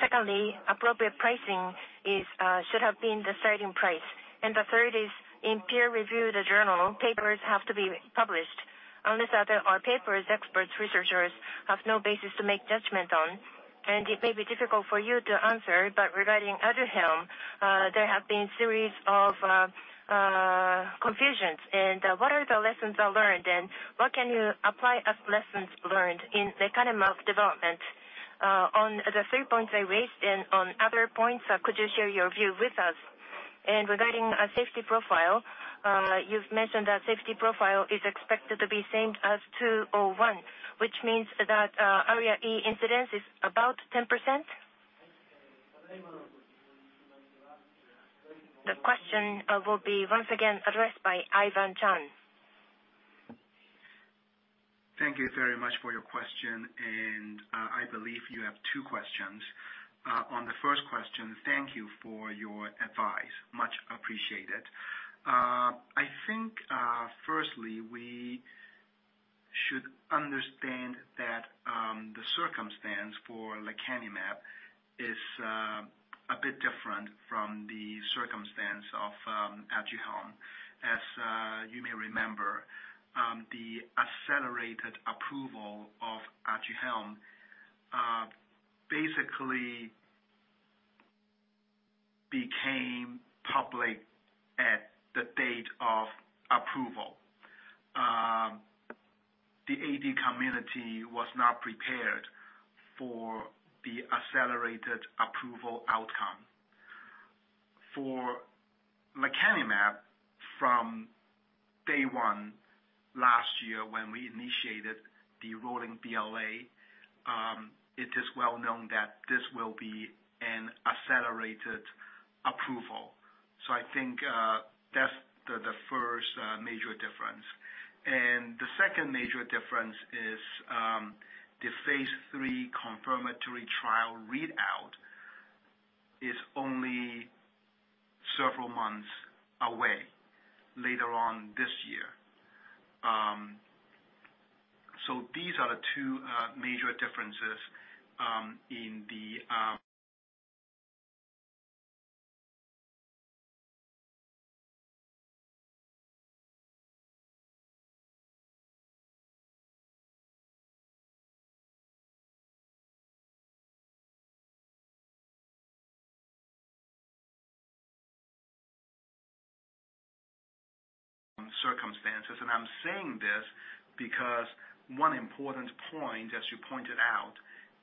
Secondly, appropriate pricing should have been the starting price. The third is in peer-reviewed journals, papers have to be published. Unless there are papers, experts, researchers have no basis to make judgment on. It may be difficult for you to answer, but regarding Aduhelm, there have been a series of confusions. What lessons are learned, and what can you apply as lessons learned in lecanemab development? On the three points I raised and on other points, could you share your view with us? Regarding a safety profile, you've mentioned that safety profile is expected to be same as Study 201, which means that ARIA-E incidence is about 10%. The question will be once again addressed by Ivan Cheung. Thank you very much for your question. I believe you have two questions. On the first question, thank you for your advice. Much appreciated. I think, firstly, we should understand that the circumstance for lecanemab is a bit different from the circumstance of Aduhelm. As you may remember, the accelerated approval of Aduhelm basically became public at the date of approval. The AD community was not prepared for the accelerated approval outcome. For lecanemab from day one last year when we initiated the rolling BLA, it is well known that this will be an accelerated approval. I think, that's the first major difference. The second major difference is the phase III confirmatory trial readout is only several months away later on this year. These are the two major differences in the circumstances. I'm saying this because one important point, as you pointed out,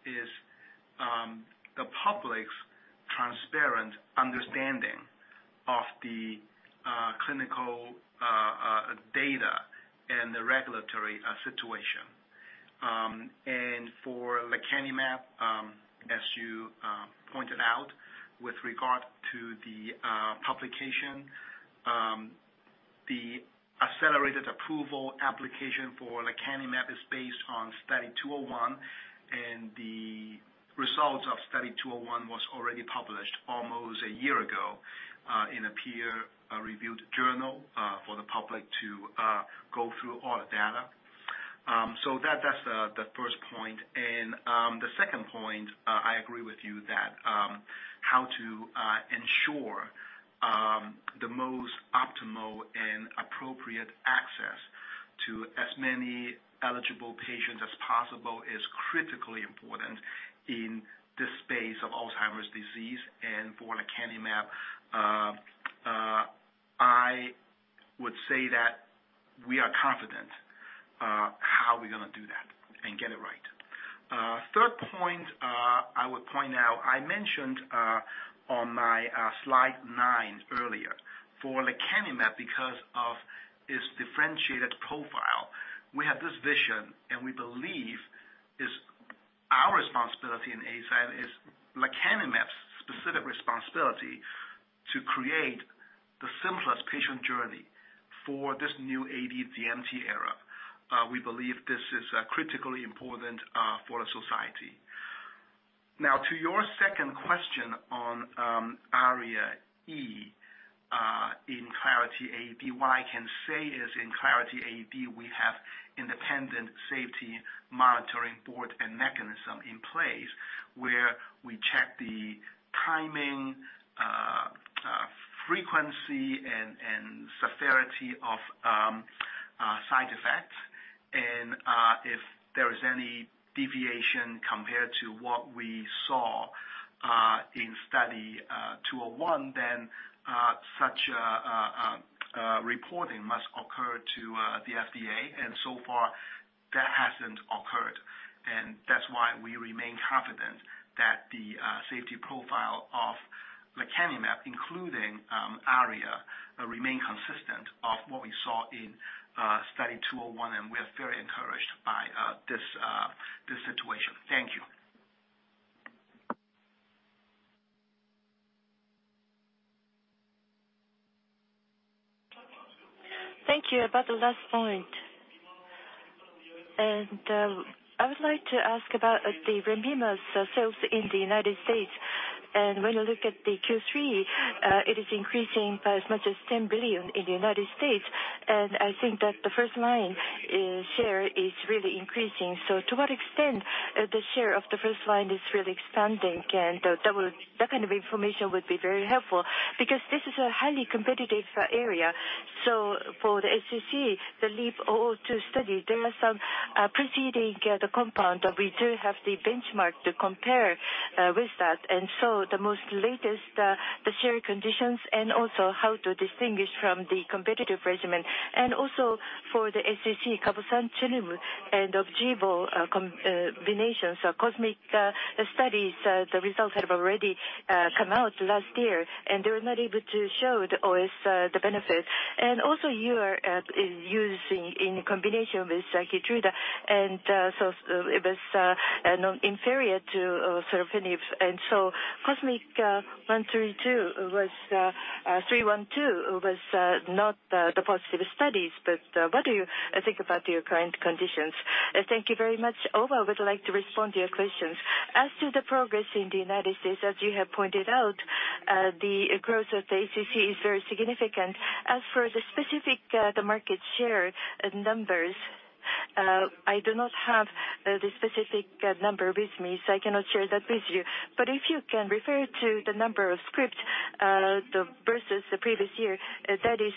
is the public's transparent understanding of the clinical data and the regulatory situation. For lecanemab, as you pointed out with regard to the publication, the accelerated approval application for lecanemab is based on Study 201, and the results of Study 201 was already published almost a year ago in a peer-reviewed journal for the public to go through all the data. That's the first point. The second point, I agree with you that how to ensure the most optimal and appropriate access to as many eligible patients as possible is critically important in this space of Alzheimer's disease. For lecanemab, I would say that we are confident how we're gonna do that and get it right. Third point, I would point out. I mentioned on my slide nine earlier. For lecanemab, because of its differentiated profile, we have this vision, and we believe it's our responsibility in Eisai, it's lecanemab's specific responsibility to create the simplest patient journey for this new AD DMT era. We believe this is critically important for the society. Now, to your second question on ARIA-E in Clarity AD, what I can say is, in Clarity AD, we have independent safety monitoring board and mechanism in place where we check the timing, frequency and severity of side effects. If there is any deviation compared to what we saw in Study 201, then such reporting must occur to the FDA. So far, that hasn't occurred. That's why we remain confident that the safety profile of lecanemab, including ARIA, remain consistent of what we saw in Study 201, and we're very encouraged by this situation. Thank you. Thank you. About the last point, I would like to ask about the Lenvima sales in the United States. When you look at the Q3, it is increasing by as much as 10 billion in the United States. I think that the first line is- The share is really increasing. To what extent the share of the first line is really expanding and that kind of information would be very helpful because this is a highly competitive area. For the HCC, the LEAP-002 study, there are some preceding the compound that we do have the benchmark to compare with that. The most latest the share conditions and also how to distinguish from the competitive regimen. For the HCC cabozantinib and Opdivo combinations, COSMIC studies, the results have already come out last year, and they were not able to show the OS the benefit. You are using in combination with Keytruda and so it was non-inferior to Sorafenib. COSMIC-312 was not the positive studies. What do you think about your current conditions? Thank you very much. Owa would like to respond to your questions. As to the progress in the United States, as you have pointed out, the growth of the HCC is very significant. As for the specific market share numbers, I do not have the specific number with me, so I cannot share that with you. If you can refer to the number of script versus the previous year, that is,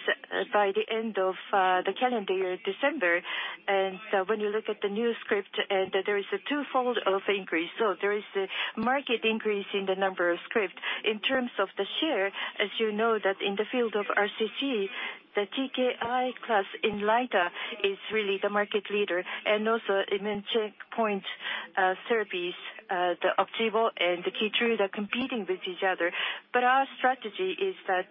by the end of the calendar year, December. When you look at the new script, there is a twofold of increase. There is the market increase in the number of script. In terms of the share, as you know that in the field of RCC, the TKI class, Lenvima, is really the market leader. Immune checkpoint therapies, the Opdivo and the Keytruda competing with each other. Our strategy is that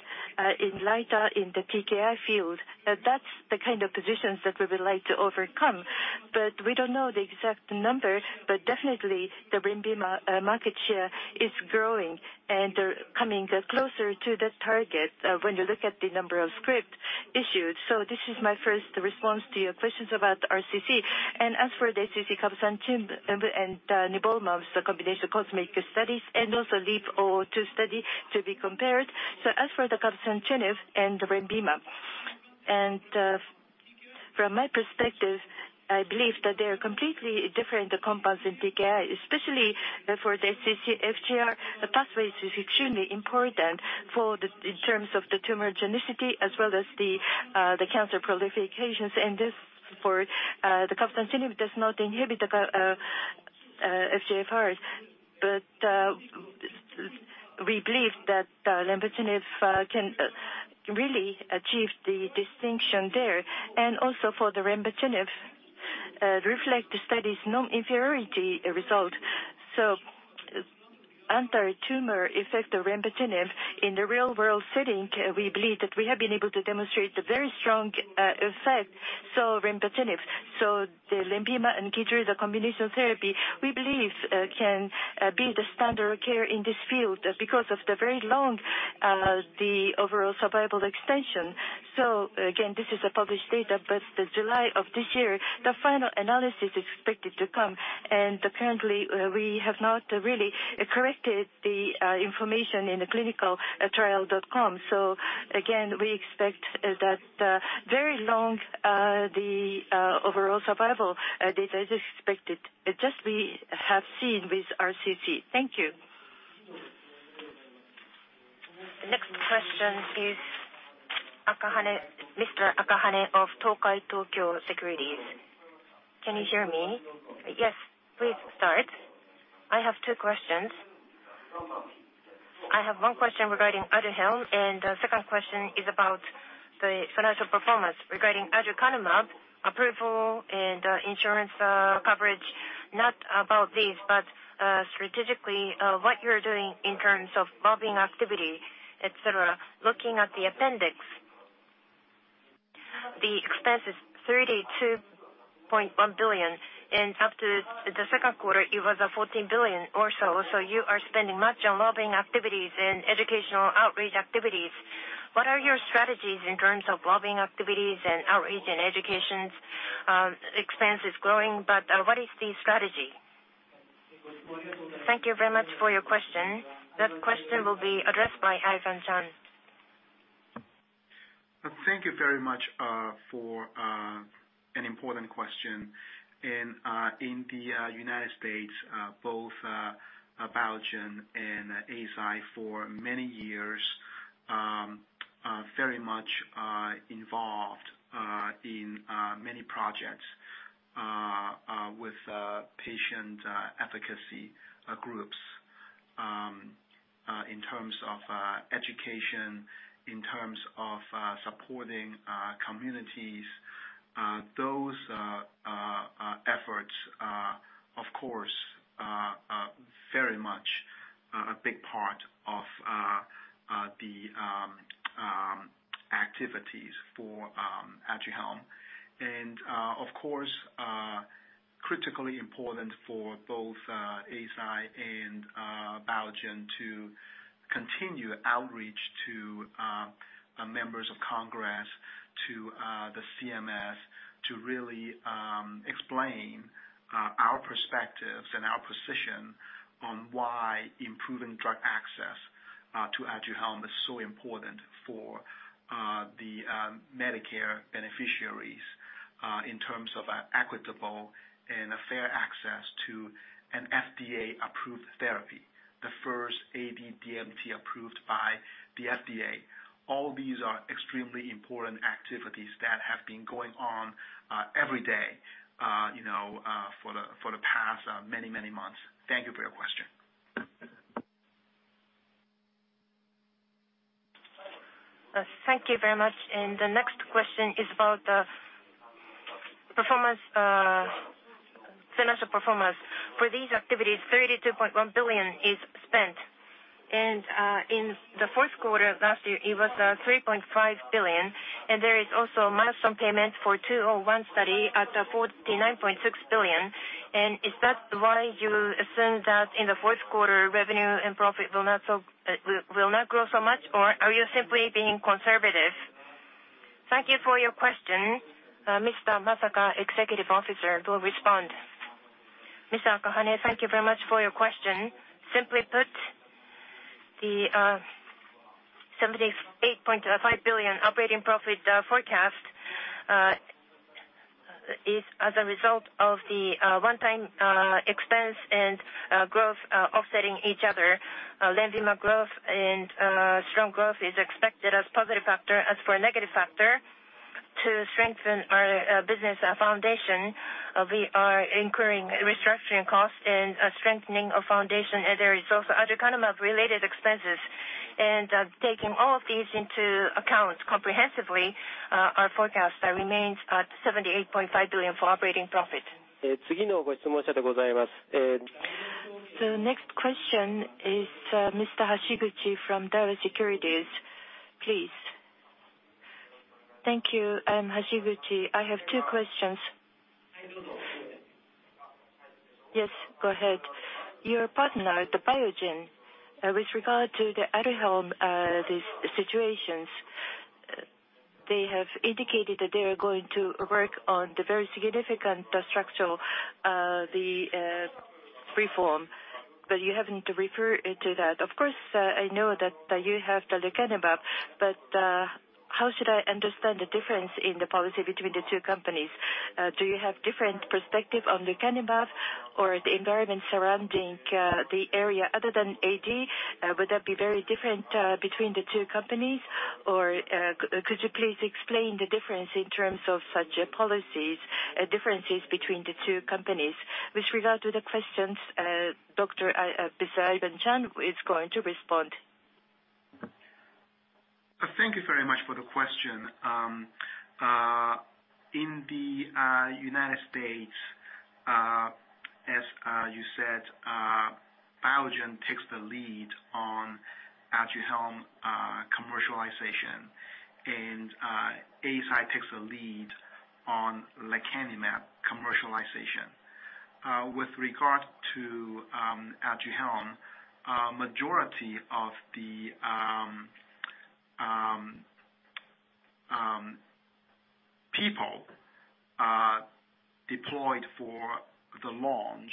Lenvima in the TKI field, that's the kind of positions that we would like to overcome. We don't know the exact number. Definitely the Lenvima market share is growing, and they're coming closer to that target when you look at the number of scripts issued. This is my first response to your questions about RCC. As for the HCC cabozantinib and nivolumab, the combination COSMIC studies and also LEAP-002 study to be compared. As for the cabozantinib and Lenvima, from my perspective, I believe that they are completely different compounds in TKI, especially for the HCC, FGFR pathway is extremely important for the in terms of the tumorigenicity as well as the cancer proliferations. This, cabozantinib does not inhibit the FGFR. We believe that lenvatinib can really achieve the distinction there. Also for the lenvatinib, REFLECT study's non-inferiority result. Anti-tumor effect of lenvatinib in the real-world setting, we believe that we have been able to demonstrate the very strong effect, so Lenvima. The Lenvima and Keytruda combination therapy, we believe, can be the standard of care in this field because of the very long the overall survival extension. Again, this is published data, but in July of this year, the final analysis is expected to come. Currently, we have not really corrected the information in ClinicalTrials.gov. Again, we expect that very long overall survival data is expected, just as we have seen with RCC. Thank you. The next question is Akahane. Mr. Akahane of Tokai Tokyo Securities. Can you hear me? Yes, please start. I have two questions. I have one question regarding Aduhelm, and the second question is about the financial performance regarding aducanumab approval and insurance coverage. Not about this, but strategically, what you're doing in terms of lobbying activity, et cetera. Looking at the appendix, the expense is 32.1 billion, and after the second quarter, it was 14 billion or so. You are spending much on lobbying activities and educational outreach activities. What are your strategies in terms of lobbying activities and outreach and education? Expense is growing, but what is the strategy? Thank you very much for your question. That question will be addressed by Ivan Cheung. Thank you very much for an important question. In the United States, both Biogen and Eisai for many years very much involved in many projects with patient advocacy groups in terms of education, in terms of supporting communities. Those efforts are of course very much a big part of the activities for Aduhelm. Of course, critically important for both Eisai and Biogen to continue outreach to members of Congress, to the CMS, to really explain our perspectives and our position on why improving drug access to Aduhelm is so important for the Medicare beneficiaries, in terms of equitable and a fair access to an FDA approved therapy, the first AD DMT approved by the FDA. All these are extremely important activities that have been going on every day, you know, for the past many, many months. Thank you for your question. Thank you very much. The next question is about the performance, financial performance. For these activities, 32.1 billion is spent. In the fourth quarter of last year, it was 3.5 billion, and there is also a milestone payment for Study 201 at 49.6 billion. Is that why you assume that in the fourth quarter, revenue and profit will not grow so much, or are you simply being conservative? Thank you for your question. Mr. Masaka, Executive Officer, will respond. Mr. Akahane, thank you very much for your question. Simply put, the 78.5 billion operating profit forecast is as a result of the one-time expense and growth offsetting each other. LENVIMA growth and strong growth is expected as positive factor. As for a negative factor to strengthen our business foundation, we are incurring restructuring costs and strengthening our foundation, and there is also aducanumab-related expenses. Taking all of these into account comprehensively, our forecast remains at 78.5 billion for operating profit. The next question is, Mr. Hashiguchi from Daiwa Securities, please. Thank you. I am Hashiguchi. I have two questions. Yes, go ahead. Your partner at Biogen, with regard to Aduhelm, these situations—they have indicated that they are going to work on the very significant structural reform, but you haven't referred to that. Of course, I know that you have lecanemab, but how should I understand the difference in the policy between the two companies? Do you have different perspective on lecanemab or the environment surrounding the area other than AD? Would that be very different between the two companies? Or, could you please explain the difference in terms of such policies, differences between the two companies? With regard to the questions, Dr. Ivan Cheung is going to respond. Thank you very much for the question. In the United States, as you said, Biogen takes the lead on Aduhelm commercialization, and Eisai takes the lead on lecanemab commercialization. With regard to Aduhelm, majority of the people deployed for the launch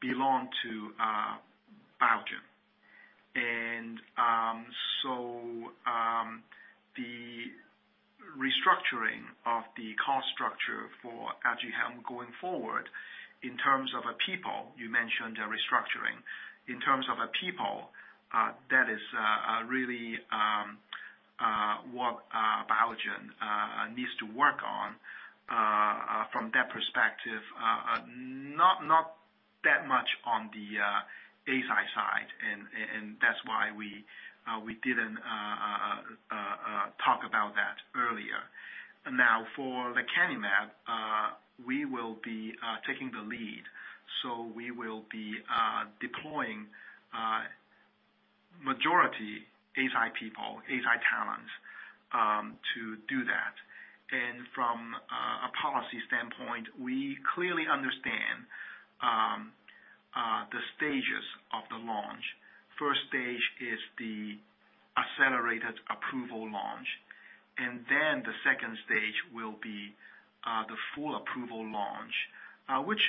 belong to Biogen. The restructuring of the cost structure for Aduhelm going forward in terms of people, you mentioned a restructuring. In terms of people, that is really what Biogen needs to work on from that perspective. Not that much on the Eisai side, and that's why we didn't talk about that earlier. Now, for lecanemab, we will be taking the lead, so we will be deploying majority Eisai people, Eisai talents, to do that. From a policy standpoint, we clearly understand the stages of the launch. First stage is the accelerated approval launch, and then the second stage will be the full approval launch. Which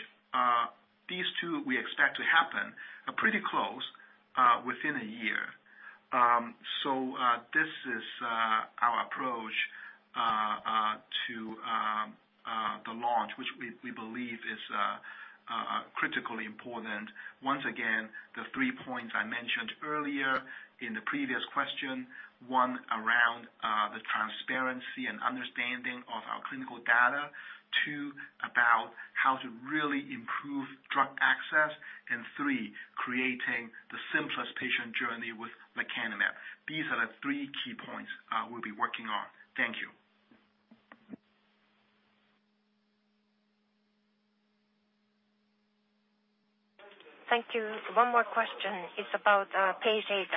these two we expect to happen pretty close within a year. This is our approach to the launch, which we believe is critically important. Once again, the three points I mentioned earlier in the previous question. One, around the transparency and understanding of our clinical data. Two, about how to really improve drug access. And three, creating the simplest patient journey with lecanemab. These are the three key points, we'll be working on. Thank you. Thank you. One more question. It's about page eight.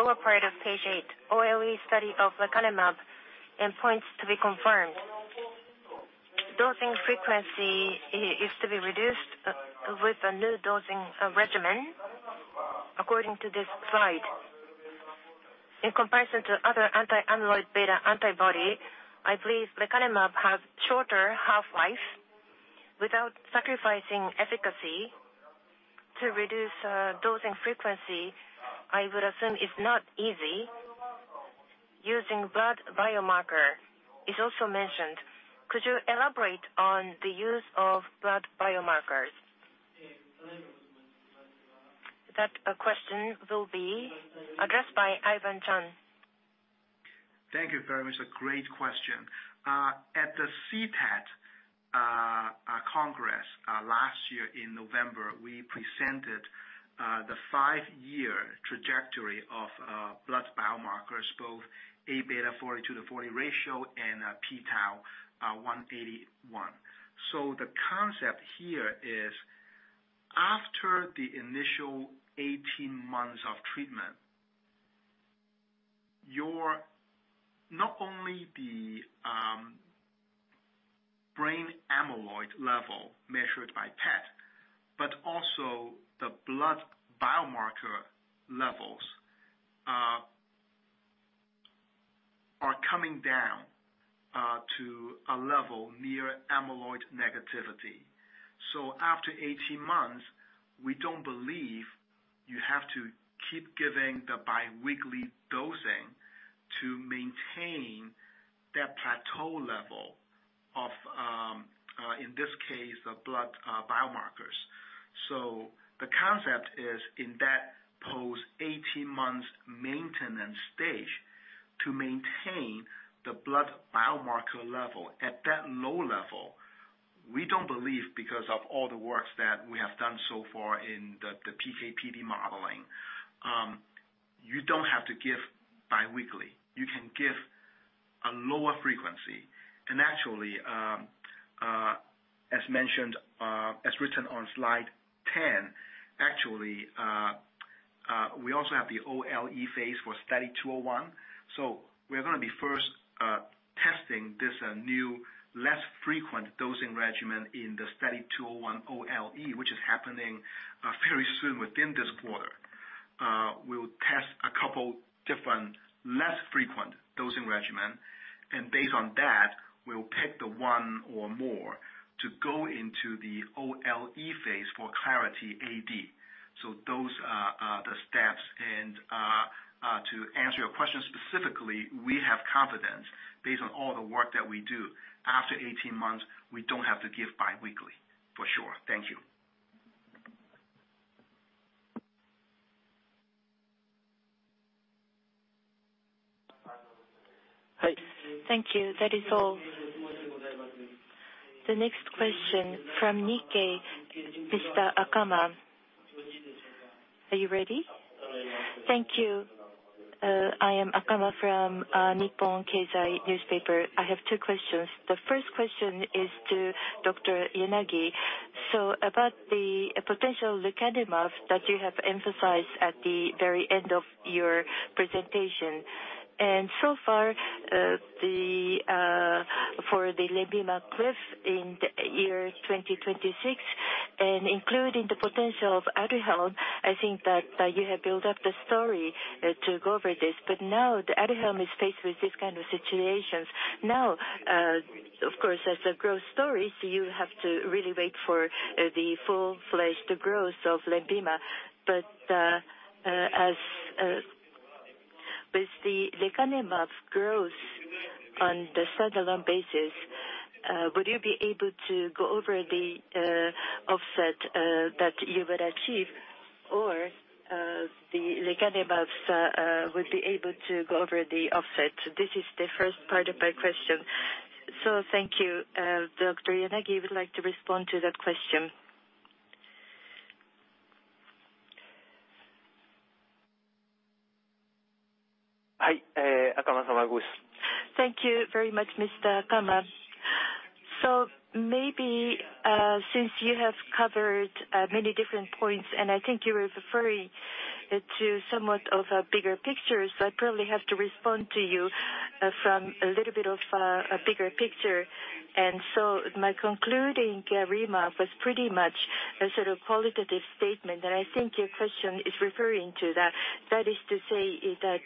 Lower part of page 8. OLE study of lecanemab and points to be confirmed. Dosing frequency is to be reduced with a new dosing regimen according to this slide. In comparison to other anti-amyloid beta antibody, I believe lecanemab has shorter half-life without sacrificing efficacy. To reduce dosing frequency, I would assume it's not easy. Using blood biomarker is also mentioned. Could you elaborate on the use of blood biomarkers? That question will be addressed by Ivan Cheung. Thank you very much. A great question. At the CTAD Congress last year in November, we presented the five year trajectory of blood biomarkers, both Aβ42/40 ratio and p-tau181. The concept here is after the initial 18 months of treatment, not only the brain amyloid level measured by PET, but also the blood biomarker levels are coming down to a level near amyloid negativity. After 18 months, we don't believe you have to keep giving the bi-weekly dosing to maintain that plateau level of, in this case, the blood biomarkers. The concept is in that post-18 months maintenance stage to maintain the blood biomarker level at that low level. We don't believe, because of all the work that we have done so far in the PK/PD modeling, you have to give bi-weekly. You can give a lower frequency. Actually, as mentioned, as written on slide 10, we also have the OLE phase for Study 201. So we're gonna be first testing this new, less frequent dosing regimen in the Study 201 OLE, which is happening very soon within this quarter. We'll test a couple different less frequent dosing regimen, and based on that, we'll pick the one or more to go into the OLE phase for Clarity AD. So those are the steps. To answer your question specifically, we have confidence based on all the work that we do. After 18 months, we don't have to give bi-weekly, for sure. Thank you. Thank you. That is all. The next question from Nikkei, Mr. Akama. Are you ready? Thank you. I am Akama from Nihon Keizai Shimbun. I have two questions. The first question is to Dr. Yanagi. About the potential lecanemab that you have emphasized at the very end of your presentation. So far, for the Lenvima cliff in the year 2026 and including the potential of Aduhelm, I think that you have built up the story to go over this. Now that Aduhelm is faced with this kind of situations. Now, of course, as a growth story, you have to really wait for the full-fledged growth of Lenvima. As with the lecanemab growth on the stand-alone basis, would you be able to go over the offset that you would achieve? The lecanemab would be able to go over the offset. This is the first part of my question. Thank you. Dr. Yanagi would like to respond to that question. Hi, Mr. Akama. Thank you very much, Mr. Akama. Maybe since you have covered many different points, and I think you were referring to somewhat of a bigger picture, I probably have to respond to you from a little bit of a bigger picture. My concluding remark was pretty much a sort of qualitative statement, and I think your question is referring to that. That is to say, that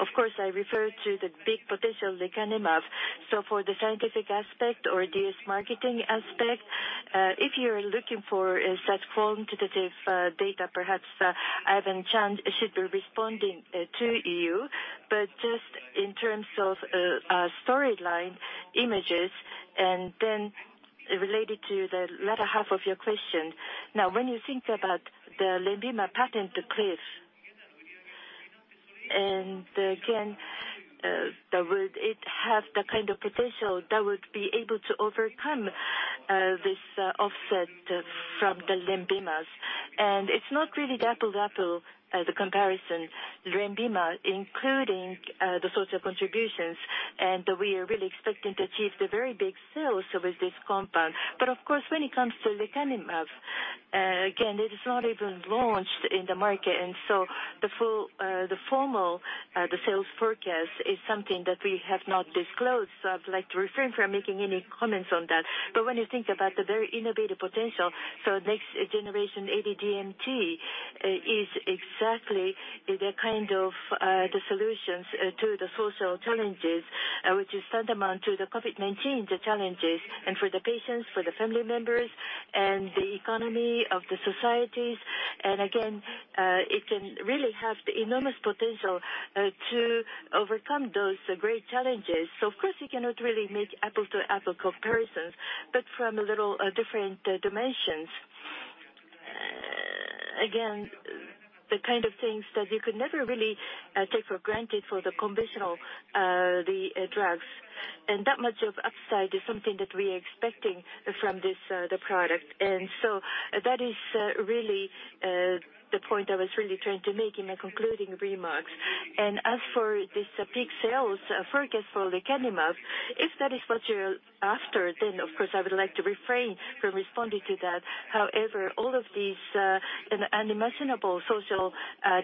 of course, I refer to the big potential lecanemab. For the scientific aspect or this marketing aspect, if you're looking for a set quantitative data, perhaps, Ivan Cheung should be responding to you. Just in terms of storyline images and then related to the latter half of your question. Now, when you think about the Lenvima patent cliff, and again, that would it have the kind of potential that would be able to overcome this offset from the Lenvima's. And it's not really apples-to-apples as a comparison. Lenvima, including the social contributions, and we are really expecting to achieve the very big sales with this compound. Of course, when it comes to lecanemab, again, it is not even launched in the market. The full, the formal, the sales forecast is something that we have not disclosed. I'd like to refrain from making any comments on that. When you think about the very innovative potential, so next generation AD DMT is exactly the kind of solutions to the social challenges which is tantamount to the COVID-19 challenges and for the patients, for the family members and the economy of the societies. Again, it can really have the enormous potential to overcome those great challenges. Of course you cannot really make apple to apple comparisons, but from a little different dimensions. Again, the kind of things that you could never really take for granted for the conventional drugs. That much of upside is something that we are expecting from this product. That is, really, the point I was really trying to make in the concluding remarks. As for this peak sales forecast for lecanemab, if that is what you're after, then of course I would like to refrain from responding to that. However, all of these, an unimaginable social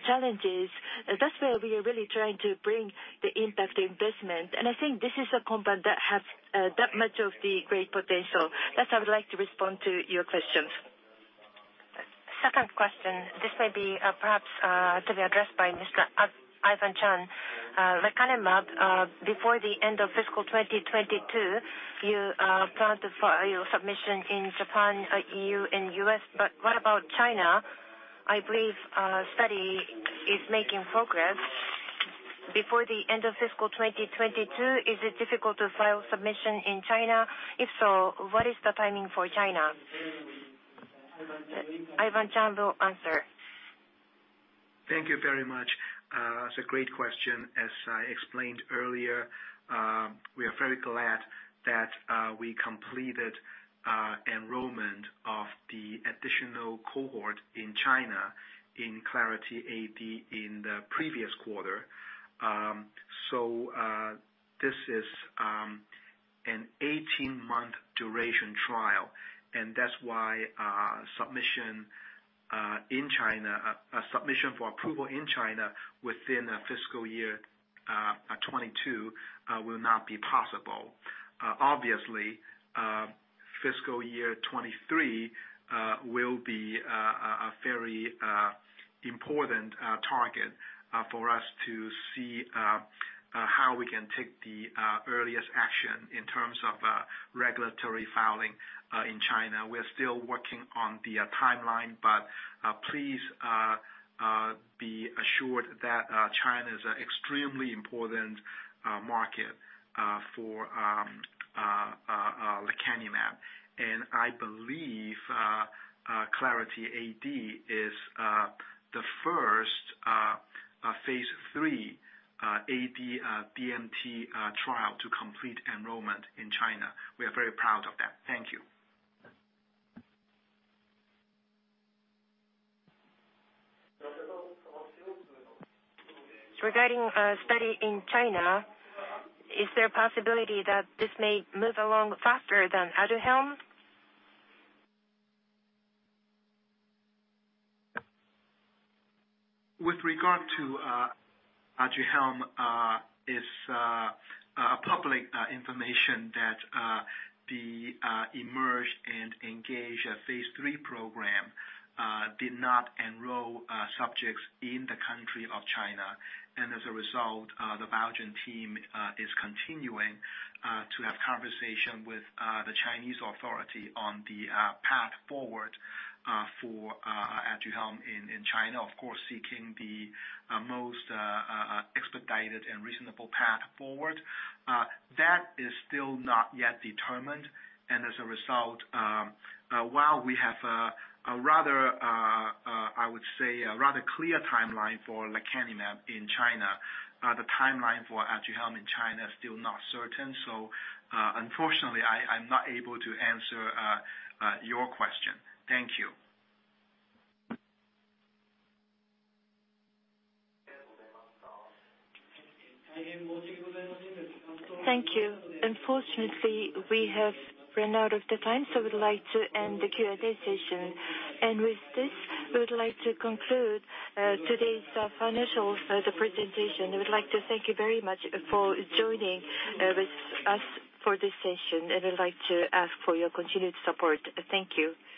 challenges, that's where we are really trying to bring the impact investment. I think this is a compound that has, that much of the great potential. That's how I would like to respond to your questions. Second question. This may be, perhaps, to be addressed by Mr. Ivan Cheung. Lecanemab, before the end of fiscal 2022, you plan to file your submission in Japan, EU and U.S. What about China? I believe study is making progress. Before the end of fiscal 2022, is it difficult to file submission in China? If so, what is the timing for China? Ivan Cheung will answer. Thank you very much. It's a great question. As I explained earlier, we are very glad that we completed enrollment of the additional cohort in China in Clarity AD in the previous quarter. So, this is an 18-month duration trial, and that's why a submission for approval in China within fiscal year 2022 will not be possible. Obviously, fiscal year 2023 will be a very important target for us to see how we can take the earliest action in terms of regulatory filing in China. We're still working on the timeline, but please be assured that China is an extremely important market for lecanemab. I believe Clarity AD is the first phase III AD DMT trial to complete enrollment in China. We are very proud of that. Thank you. Regarding a study in China, is there a possibility that this may move along faster than Aduhelm? With regard to Aduhelm, it's public information that the EMERGE and ENGAGE phase III program did not enroll subjects in the country of China. As a result, the Biogen team is continuing to have conversation with the Chinese authority on the path forward for Aduhelm in China, of course, seeking the most expedited and reasonable path forward. That is still not yet determined. As a result, while we have a rather, I would say a rather clear timeline for lecanemab in China, the timeline for Aduhelm in China is still not certain. Unfortunately, I'm not able to answer your question. Thank you. Thank you. Unfortunately, we have run out of the time, so we'd like to end the Q&A session. With this, we would like to conclude today's financials, the presentation. We would like to thank you very much for joining with us for this session. I'd like to ask for your continued support. Thank you.